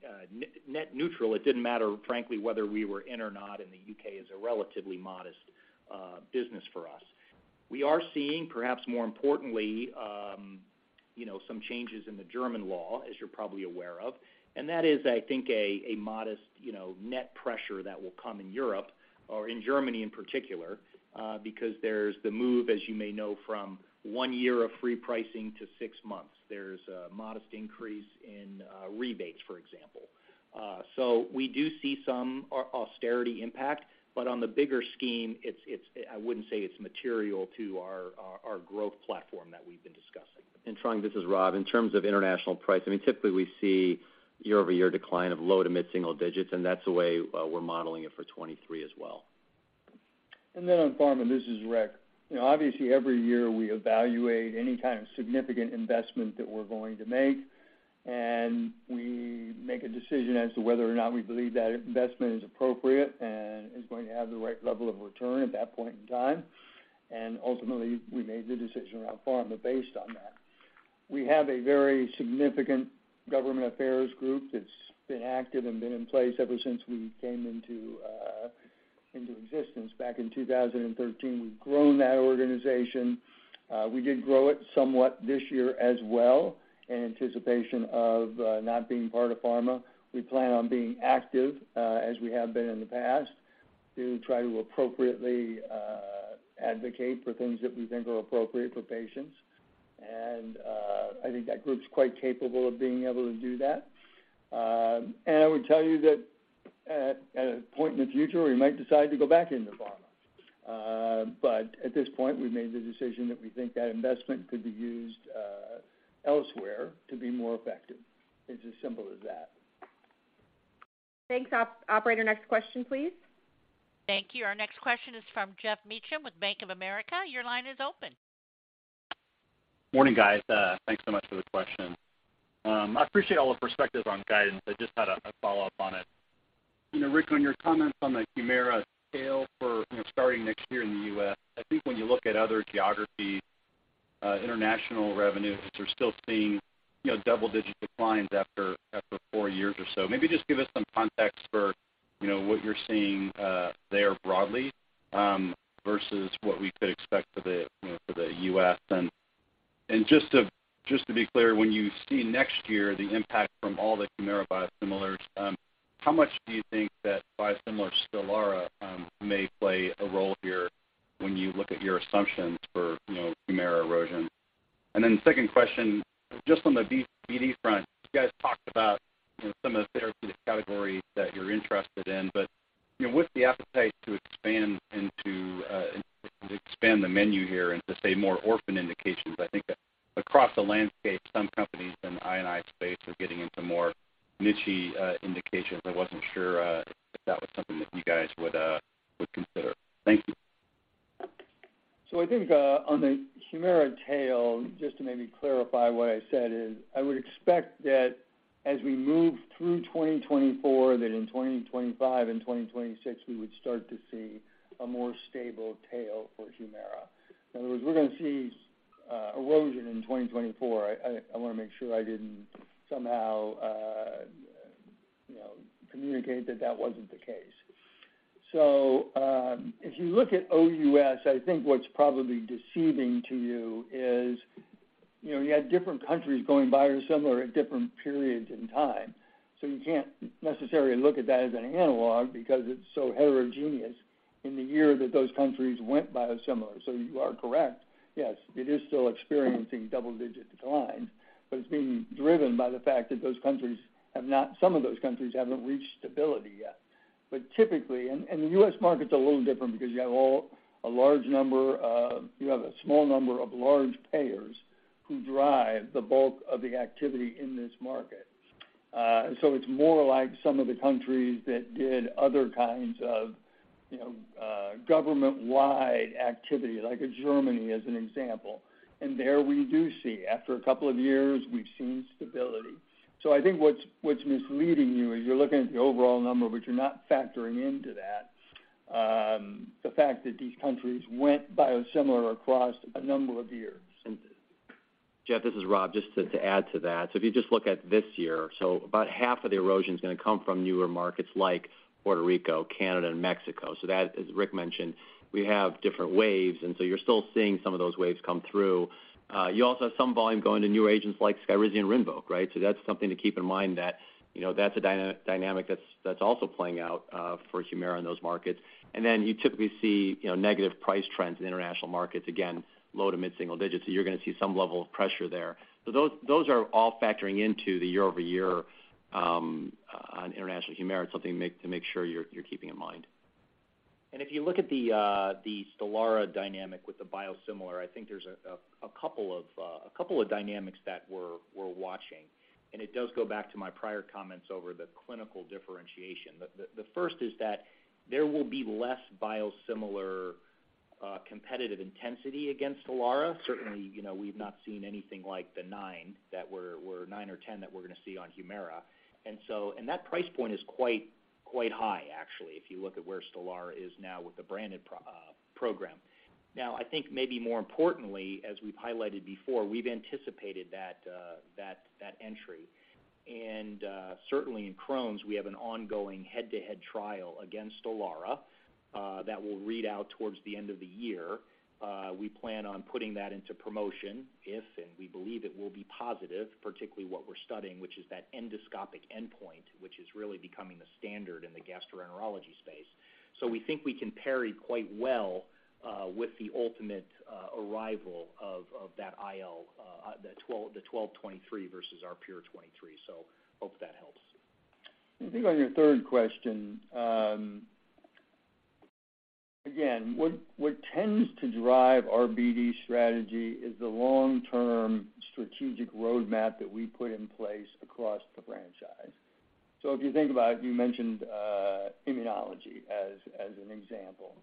net neutral. It didn't matter, frankly, whether we were in or not. The UK is a relatively modest business for us. We are seeing, perhaps more importantly, you know, some changes in the German law, as you're probably aware of. That is, I think, a modest, you know, net pressure that will come in Europe or in Germany in particular, because there's the move, as you may know, from 1 year of free pricing to 6 months. There's a modest increase in rebates, for example. We do see some austerity impact, but on the bigger scheme, it's, I wouldn't say it's material to our, our growth platform that we've been discussing. Trung, this is Rob. In terms of international price, I mean, typically we see year-over-year decline of low to mid-single digits, that's the way we're modeling it for 2023 as well. On pharma, this is Rick. You know, obviously, every year we evaluate any kind of significant investment that we're going to make, and we make a decision as to whether or not we believe that investment is appropriate and is going to have the right level of return at that point in time. Ultimately, we made the decision around pharma based on that. We have a very significant government affairs group that's been active and been in place ever since we came into existence back in 2013. We've grown that organization. We did grow it somewhat this year as well in anticipation of not being part of pharma. We plan on being active, as we have been in the past, to try to appropriately advocate for things that we think are appropriate for patients. I think that group's quite capable of being able to do that. I would tell you that at a point in the future, we might decide to go back into pharma. At this point, we've made the decision that we think that investment could be used, elsewhere to be more effective. It's as simple as that. Thanks. Operator, next question, please. Thank you. Our next question is from Geoff Meacham with Bank of America. Your line is open. Morning, guys. Thanks so much for the question. I appreciate all the perspectives on guidance. I just had a follow-up on it. You know, Rick, on your comments on the HUMIRA tail for, you know, starting next year in the U.S., I think when you look at other geographies, international revenues, which are still seeing, you know, double-digit declines after 4 years or so, maybe just give us some context for, you know, what you're seeing there broadly versus what we could expect for the, you know, for the U.S. Just to, just to be clear, when you see next year the impact from all the HUMIRA biosimilars, how much do you think that biosimilar STELARA may play a role here when you look at your assumptions for, you know, HUMIRA erosion? Second question, just on the BD front, you guys talked about some of the therapeutic categories that you're interested in, but what's the appetite to expand the menu here into, say, more orphan indications? I think that across the landscape, some companies in the I&I space are getting into more niche-y indications. I wasn't sure if that was something that you guys would consider. Thank you. I think on the HUMIRA tail, just to maybe clarify what I said is I would expect that as we move through 2024, that in 2025 and 2026, we would start to see a more stable tail for HUMIRA. In other words, we're gonna see erosion in 2024. I wanna make sure I didn't somehow, you know, communicate that that wasn't the case. If you look at OUS, I think what's probably deceiving to you is, you know, you had different countries going biosimilar at different periods in time. You can't necessarily look at that as an analog because it's so heterogeneous in the year that those countries went biosimilar. You are correct. Yes, it is still experiencing double-digit decline, but it's being driven by the fact that those countries have not some of those countries haven't reached stability yet. Typically, and the U.S. market's a little different because you have a large number of you have a small number of large payers who drive the bulk of the activity in this market. So it's more like some of the countries that did other kinds of, you know, government-wide activity, like a Germany as an example. There we do see, after a couple of years, we've seen stability. I think what's misleading you is you're looking at the overall number, but you're not factoring into that, the fact that these countries went biosimilar across a number of years. Jeff Stewart, this is Rob Michael, just to add to that. If you just look at this year, about half of the erosion's gonna come from newer markets like Puerto Rico, Canada, and Mexico. That, as Rick Gonzalez mentioned, we have different waves, and so you're still seeing some of those waves come through. You also have some volume going to new agents like SKYRIZI and RINVOQ, right? That's something to keep in mind that, you know, that's a dynamic that's also playing out for HUMIRA in those markets. Then you typically see, you know, negative price trends in international markets, again, low to mid-single digits. You're gonna see some level of pressure there. Those are all factoring into the year-over-year on international HUMIRA, something to make sure you're keeping in mind. If you look at the STELARA dynamic with the biosimilar, I think there's a couple of dynamics that we're watching, and it does go back to my prior comments over the clinical differentiation. The first is that there will be less biosimilar competitive intensity against STELARA. Certainly, you know, we've not seen anything like the 9 or 10 that we're gonna see on HUMIRA. That price point is quite high actually if you look at where STELARA is now with the branded program. I think maybe more importantly, as we've highlighted before, we've anticipated that entry. Certainly in Crohn's, we have an ongoing head-to-head trial against STELARA that will read out towards the end of the year. We plan on putting that into promotion if, and we believe it will be positive, particularly what we're studying, which is that endoscopic endpoint, which is really becoming the standard in the gastroenterology space. We think we can parry quite well with the ultimate arrival of that IL, the 12/23 versus our pure 23. Hope that helps. I think on your third question, again, what tends to drive our BD strategy is the long-term strategic roadmap that we put in place across the franchise. If you think about it, you mentioned immunology as an example.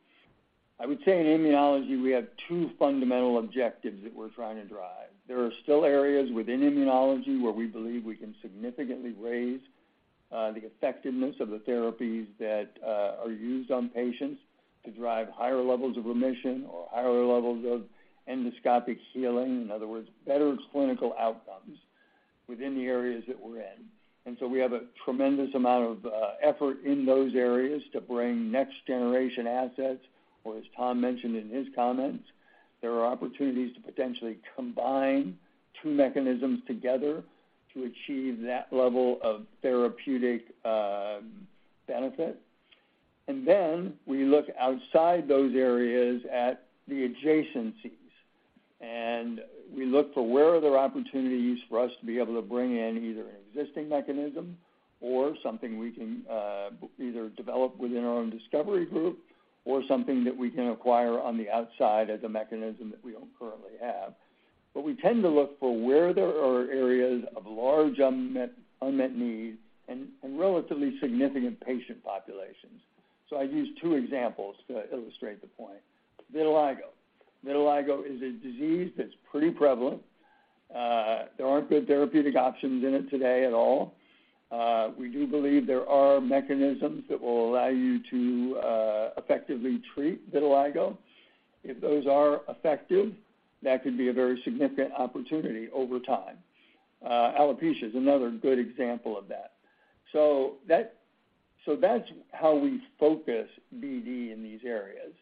I would say in immunology, we have two fundamental objectives that we're trying to drive. There are still areas within immunology where we believe we can significantly raise the effectiveness of the therapies that are used on patients to drive higher levels of remission or higher levels of endoscopic healing, in other words, better clinical outcomes within the areas that we're in. We have a tremendous amount of effort in those areas to bring next generation assets, or as Tom mentioned in his comments, there are opportunities to potentially combine two mechanisms together to achieve that level of therapeutic benefit. We look outside those areas at the adjacencies. We look for where are there opportunities for us to be able to bring in either an existing mechanism or something we can either develop within our own discovery group or something that we can acquire on the outside as a mechanism that we don't currently have. We tend to look for where there are areas of large unmet need and relatively significant patient populations. I use 2 examples to illustrate the point. Vitiligo. Vitiligo is a disease that's pretty prevalent. There aren't good therapeutic options in it today at all. We do believe there are mechanisms that will allow you to effectively treat vitiligo. If those are effective, that could be a very significant opportunity over time. Alopecia is another good example of that. That's how we focus BD in these areas.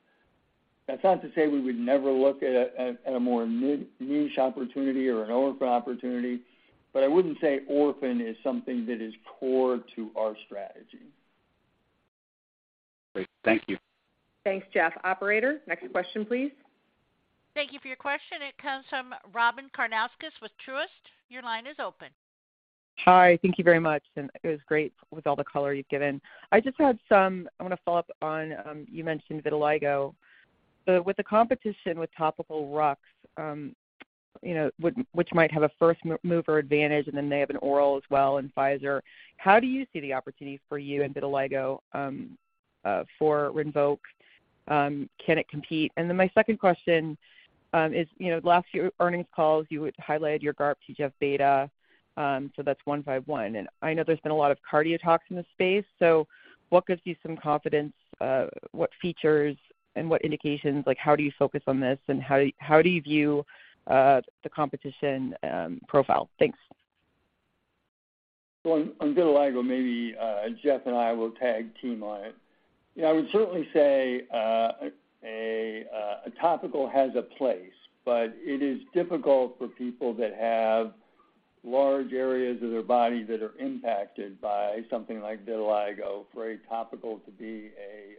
That's not to say we would never look at a more niche opportunity or an orphan opportunity. I wouldn't say orphan is something that is core to our strategy. Great. Thank you. Thanks, Geoff. Operator, next question, please. Thank you for your question. It comes from Robyn Karnauskas with Truist. Your line is open. Hi, thank you very much. It was great with all the color you've given. I want to follow up on, you mentioned vitiligo. With the competition with topical ROCK, you know, which might have a first mover advantage, and then they have an oral as well in Pfizer, how do you see the opportunities for you in vitiligo for RINVOQ? Can it compete? My second question is, you know, the last few earnings calls, you would highlight your GARP TGF-β, so that's 151. I know there's been a lot of cardio talks in the space. What gives you some confidence, what features and what indications, like how do you focus on this, and how do you view the competition profile? Thanks. On vitiligo, maybe Jeff and I will tag team on it. I would certainly say a topical has a place, but it is difficult for people that have large areas of their body that are impacted by something like vitiligo for a topical to be a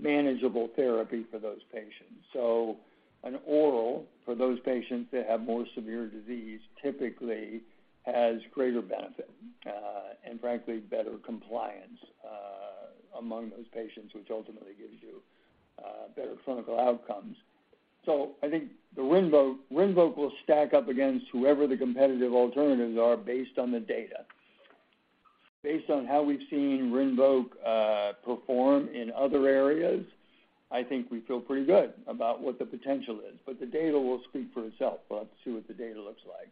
manageable therapy for those patients. An oral for those patients that have more severe disease typically has greater benefit, and frankly, better compliance among those patients, which ultimately gives you better clinical outcomes. I think RINVOQ will stack up against whoever the competitive alternatives are based on the data. Based on how we've seen RINVOQ perform in other areas, I think we feel pretty good about what the potential is, but the data will speak for itself. We'll have to see what the data looks like.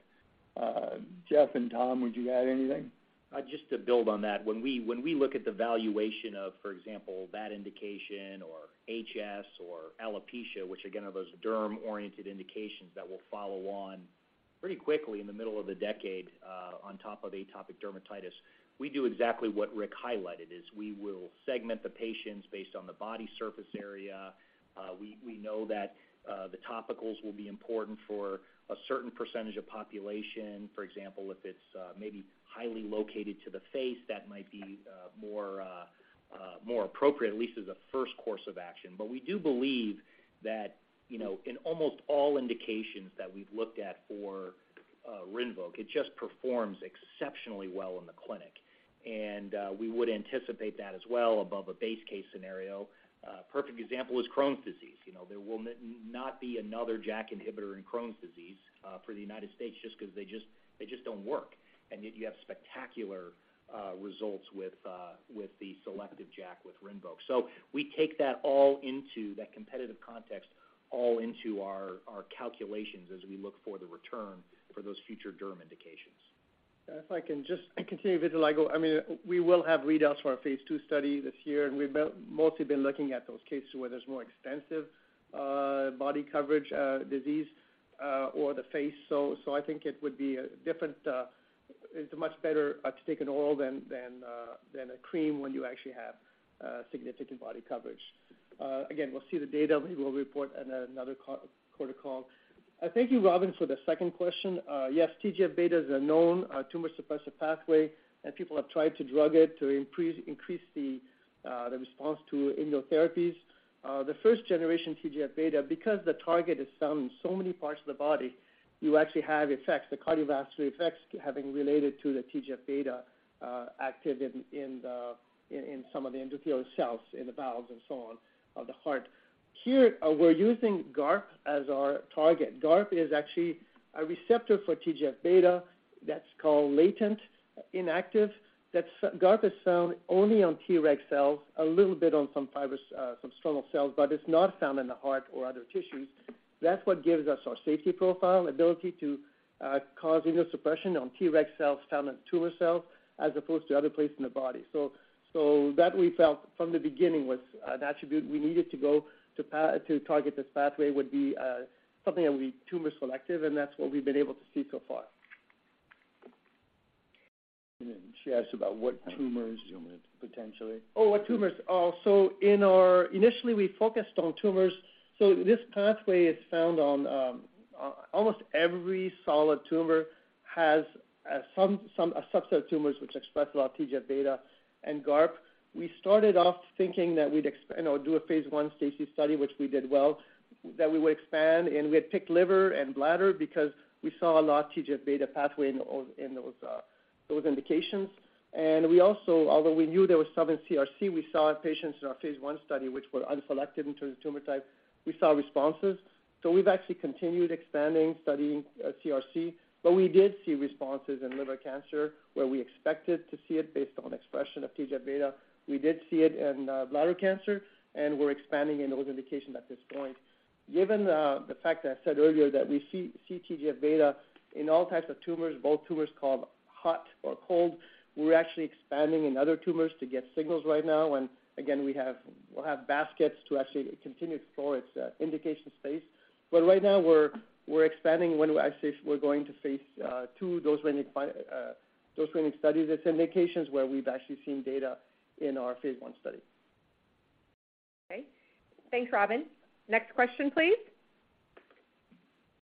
Jeff and Tom, would you add anything? I just to build on that, when we look at the valuation of, for example, that indication or HS or alopecia, which again are those derm-oriented indications that will follow on pretty quickly in the middle of the decade on top of the atopic dermatitis, we do exactly what Rick highlighted, is we will segment the patients based on the body surface area. We know that the topicals will be important for a certain percentage of population, for example, if it's maybe highly located to the face, that might be more appropriate, at least as a first course of action. But we do believe that, in almost all indications that we've looked at for RINVOQ, it just performs exceptionally well in the clinic. And we would anticipate that as well above a base case scenario. Perfect example is Crohn's disease. You know, there will not be another JAK inhibitor in Crohn's disease for the U.S. just 'cause they just don't work. Yet you have spectacular results with the selective JAK with RINVOQ. We take that all into that competitive context all into our calculations as we look for the return for those future derm indications. I can just continue vitiligo. I mean, we will have readouts for our phase II study this year, we've mostly been looking at those cases where there's more extensive body coverage disease or the face. I think it would be a different. It's much better to take an oral than a cream when you actually have significant body coverage. Again, we'll see the data. We will report on another quarter call. Thank you, Robyn, for the second question. Yes, TGF-β is a known tumor suppressive pathway, people have tried to drug it to increase the response to immunotherapies. The first generation TGF-β, because the target is found in so many parts of the body, you actually have effects, the cardiovascular effects having related to the TGF-β active in some of the endothelial cells in the bowels and so on of the heart. Here, we're using GARP as our target. GARP is actually a receptor for TGF-β that's called latent inactive. GARP is found only on Treg cells, a little bit on some fibrous, some stromal cells, but it's not found in the heart or other tissues. That's what gives us our safety profile, ability to cause immunosuppression on Treg cells found on tumor cells as opposed to other places in the body. That we felt from the beginning was an attribute we needed to go to target this pathway would be something that would be tumor selective, and that's what we've been able to see so far. She asked about what tumors potentially. What tumors. Initially, we focused on tumors. This pathway is found on almost every solid tumor has some subset of tumors which express a lot of TGF-β and GARP. We started off thinking that we'd you know, do a Phase I Stage II study, which we did well, that we would expand. We had picked liver and bladder because we saw a lot of TGF-β pathway in those indications. Although we knew there was some in CRC, we saw in patients in our phase I study which were unselected in terms of tumor type, we saw responses. We've actually continued expanding studying CRC. We did see responses in liver cancer where we expected to see it based on expression of TGF-β. We did see it in bladder cancer. We're expanding in those indications at this point. Given the fact that I said earlier that we see TGF-β in all types of tumors, both tumors called hot or cold, we're actually expanding in other tumors to get signals right now. Again, we'll have baskets to actually continue to explore its indication space. Right now we're expanding when we're going to phase II, those remaining studies. It's indications where we've actually seen data in our phase I study. Okay. Thanks, Robyn. Next question, please.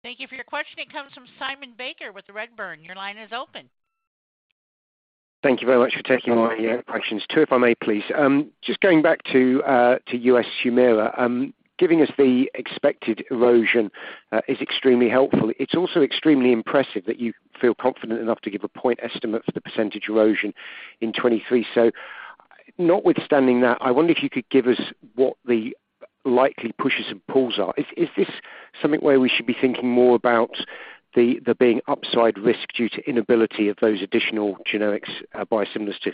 Thank you for your question. It comes from Simon Baker with Redburn. Your line is open. Thank you very much for taking my questions. Two, if I may, please. Just going back to U.S. HUMIRA, giving us the expected erosion is extremely helpful. It's also extremely impressive that you feel confident enough to give a point estimate for the percentage erosion in 2023. Notwithstanding that, I wonder if you could give us what the likely pushes and pulls are. Is this something where we should be thinking more about the being upside risk due to inability of those additional generics, biosimilars to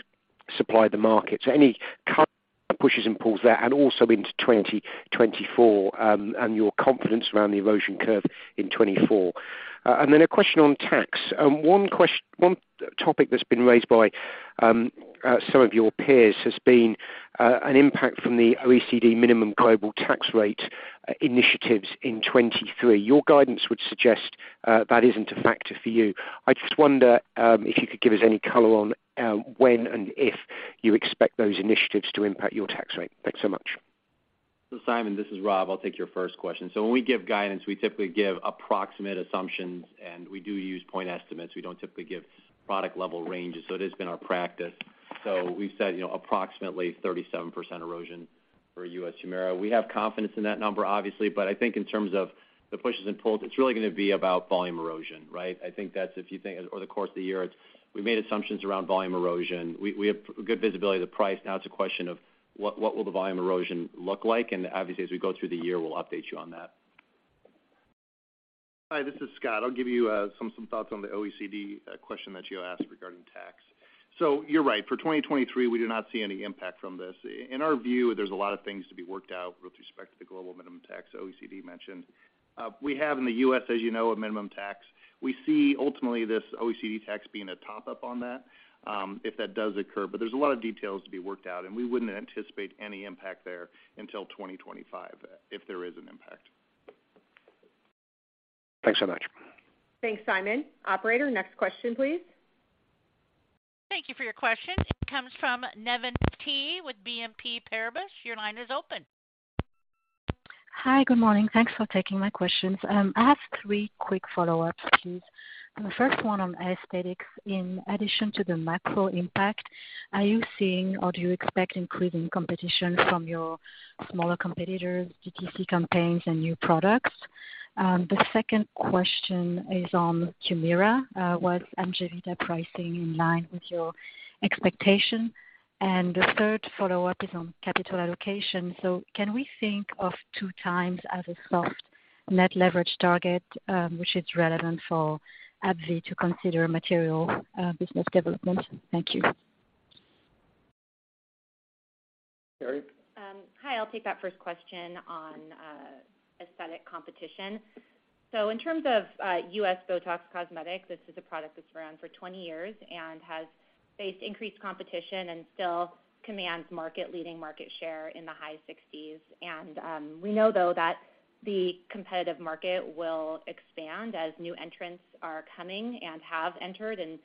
supply the market? Any kind of pushes and pulls there, and also into 2024, and your confidence around the erosion curve in 2024. Then a question on tax. One topic that's been raised by some of your peers has been an impact from the OECD minimum global tax rate initiatives in 2023. Your guidance would suggest that isn't a factor for you. I just wonder if you could give us any color on when and if you expect those initiatives to impact your tax rate. Thanks so much. Simon, this is Rob. I'll take your first question. When we give guidance, we typically give approximate assumptions, and we do use point estimates. We don't typically give product level ranges. It has been our practice. We said, you know, approximately 37% erosion for U.S. HUMIRA. We have confidence in that number, obviously. I think in terms of the pushes and pulls, it's really gonna be about volume erosion, right? I think that's, if you think over the course of the year, it's we made assumptions around volume erosion. We have good visibility of the price. Now it's a question of what will the volume erosion look like? Obviously, as we go through the year, we'll update you on that. Hi, this is Scott. I'll give you some thoughts on the OECD question that you asked regarding tax. You're right. For 2023, we do not see any impact from this. In our view, there's a lot of things to be worked out with respect to the global minimum tax OECD mentioned. We have in the U.S., as you know, a minimum tax. We see ultimately this OECD tax being a top up on that if that does occur. There's a lot of details to be worked out, and we wouldn't anticipate any impact there until 2025 if there is an impact. Thanks so much. Thanks, Simon. Operator, next question, please. Thank you for your question. It comes from Navann Ty with BNP Paribas. Your line is open. Hi. Good morning. Thanks for taking my questions. I have three quick follow-ups, please. The first one on aesthetics. In addition to the macro impact, are you seeing or do you expect increasing competition from your smaller competitors, DTC campaigns, and new products? The second question is on HUMIRA. Was AMGEVITA pricing in line with your expectation? The third follow-up is on capital allocation. Can we think of 2x as a soft net leverage target, which is relevant for AbbVie to consider material business development? Thank you. Carrie? Hi, I'll take that first question on aesthetic competition. In terms of U.S. BOTOX Cosmetic, this is a product that's been around for 20 years and has faced increased competition and still commands market leading market share in the high sixties. We know, though, that the competitive market will expand as new entrants are coming and have entered in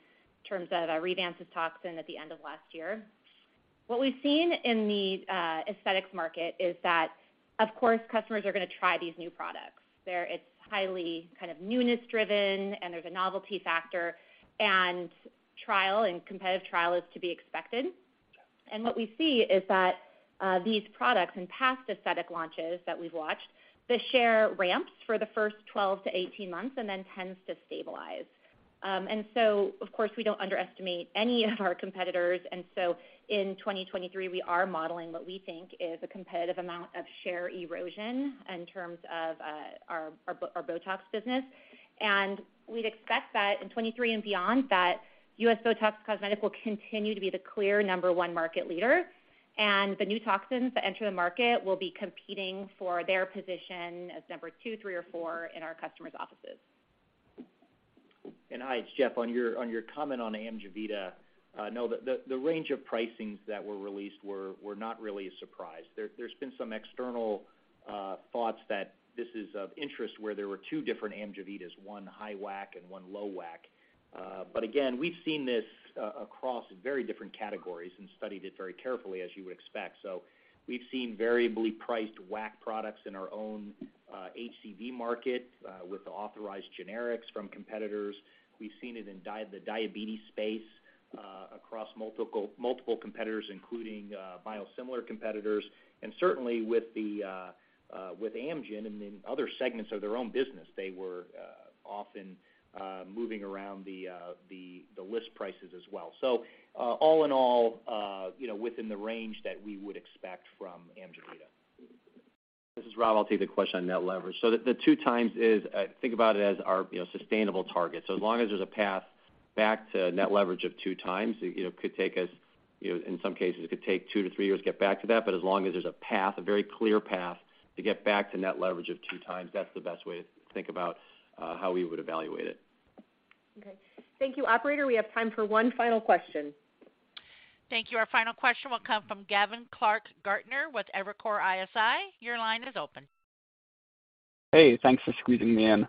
terms of Revance's toxin at the end of last year. What we've seen in the aesthetics market is that, of course, customers are gonna try these new products. It's highly kind of newness driven, and there's a novelty factor, and trial and competitive trial is to be expected. What we see is that these products and past aesthetic launches that we've watched. The share ramps for the first 12 to 18 months and then tends to stabilize. Of course, we don't underestimate any of our competitors. In 2023, we are modeling what we think is a competitive amount of share erosion in terms of our BOTOX business. We'd expect that in 2023 and beyond, that U.S. BOTOX Cosmetic will continue to be the clear number 1 market leader. The new toxins that enter the market will be competing for their position as number 2, 3, or 4 in our customers' offices. Hi, it's Jeff. On your comment on AMGEVITA, no, the range of pricings that were released were not really a surprise. There's been some external thoughts that this is of interest where there were two different AMGEVITAs, one high WAC and one low WAC. Again, we've seen this across very different categories and studied it very carefully, as you would expect. We've seen variably priced WAC products in our own HCV market with the authorized generics from competitors. We've seen it in the diabetes space across multiple competitors, including biosimilar competitors. Certainly with the with Amgen and in other segments of their own business, they were often moving around the list prices as well. All in all, you know, within the range that we would expect from AMGEVITA. This is Rob Michael. The 2x is, you know, think about it as our sustainable target. As long as there's a path back to net leverage of 2x, you know, could take us, you know, in some cases it could take 2-3 years to get back to that. As long as there's a path, a very clear path to get back to net leverage of 2x, that's the best way to think about how we would evaluate it. Okay. Thank you. Operator, we have time for one final question. Thank you. Our final question will come from Gavin Clark-Gartner with Evercore ISI. Your line is open. Hey, thanks for squeezing me in.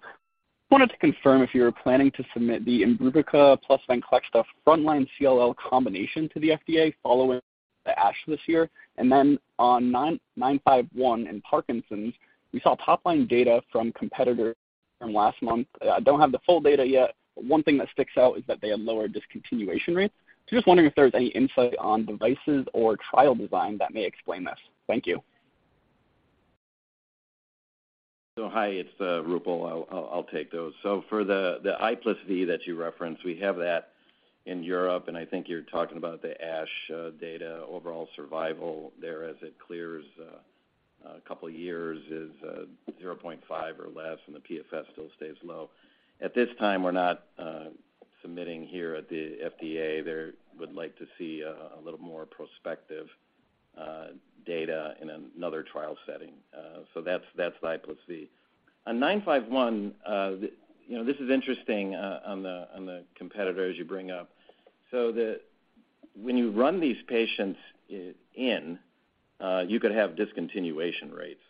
Wanted to confirm if you were planning to submit the IMBRUVICA plus VENCLEXTA frontline CLL combination to the FDA following the ASH this year. On ABBV-951 in Parkinson's, we saw top-line data from competitors from last month. I don't have the full data yet, but one thing that sticks out is that they have lower discontinuation rates. Just wondering if there's any insight on devices or trial design that may explain this. Thank you. Hi, it's Roopal. I'll take those. For the I+V that you referenced, we have that in Europe, and I think you're talking about the ASH data overall survival there as it clears a couple years is 0.5 or less, and the PFS still stays low. At this time, we're not submitting here at the FDA. They would like to see a little more prospective data in another trial setting. That's the I+V. On ABBV-951, you know, this is interesting on the competitor as you bring up. When you run these patients in, you could have discontinuation rates,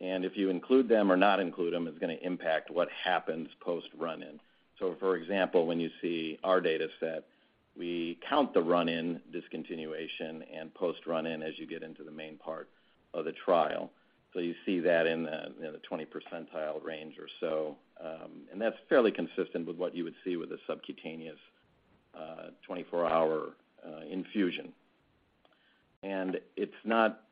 and if you include them or not include them, it's gonna impact what happens post run-in. For example, when you see our data set, we count the run-in discontinuation and post run-in as you get into the main part of the trial. You see that in the, you know, the 20% range or so. And that's fairly consistent with what you would see with a subcutaneous 24-hour infusion. It's not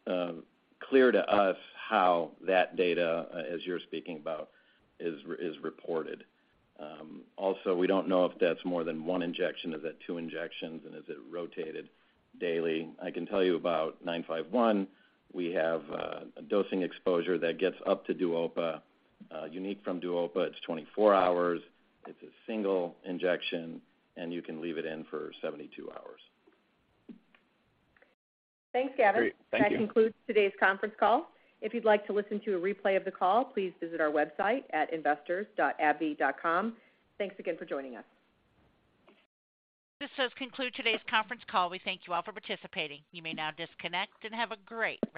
clear to us how that data, as you're speaking about is reported. Also, we don't know if that's more than 1 injection. Is it 2 injections, and is it rotated daily? I can tell you about ABBV-951, we have a dosing exposure that gets up to DUOPA. Unique from DUOPA, it's 24 hours, it's a single injection, and you can leave it in for 72 hours. Thanks, Gavin. Great. Thank you. That concludes today's conference call. If you'd like to listen to a replay of the call, please visit our website at investors.abbvie.com. Thanks again for joining us. This does conclude today's conference call. We thank you all for participating. You may now disconnect and have a great day.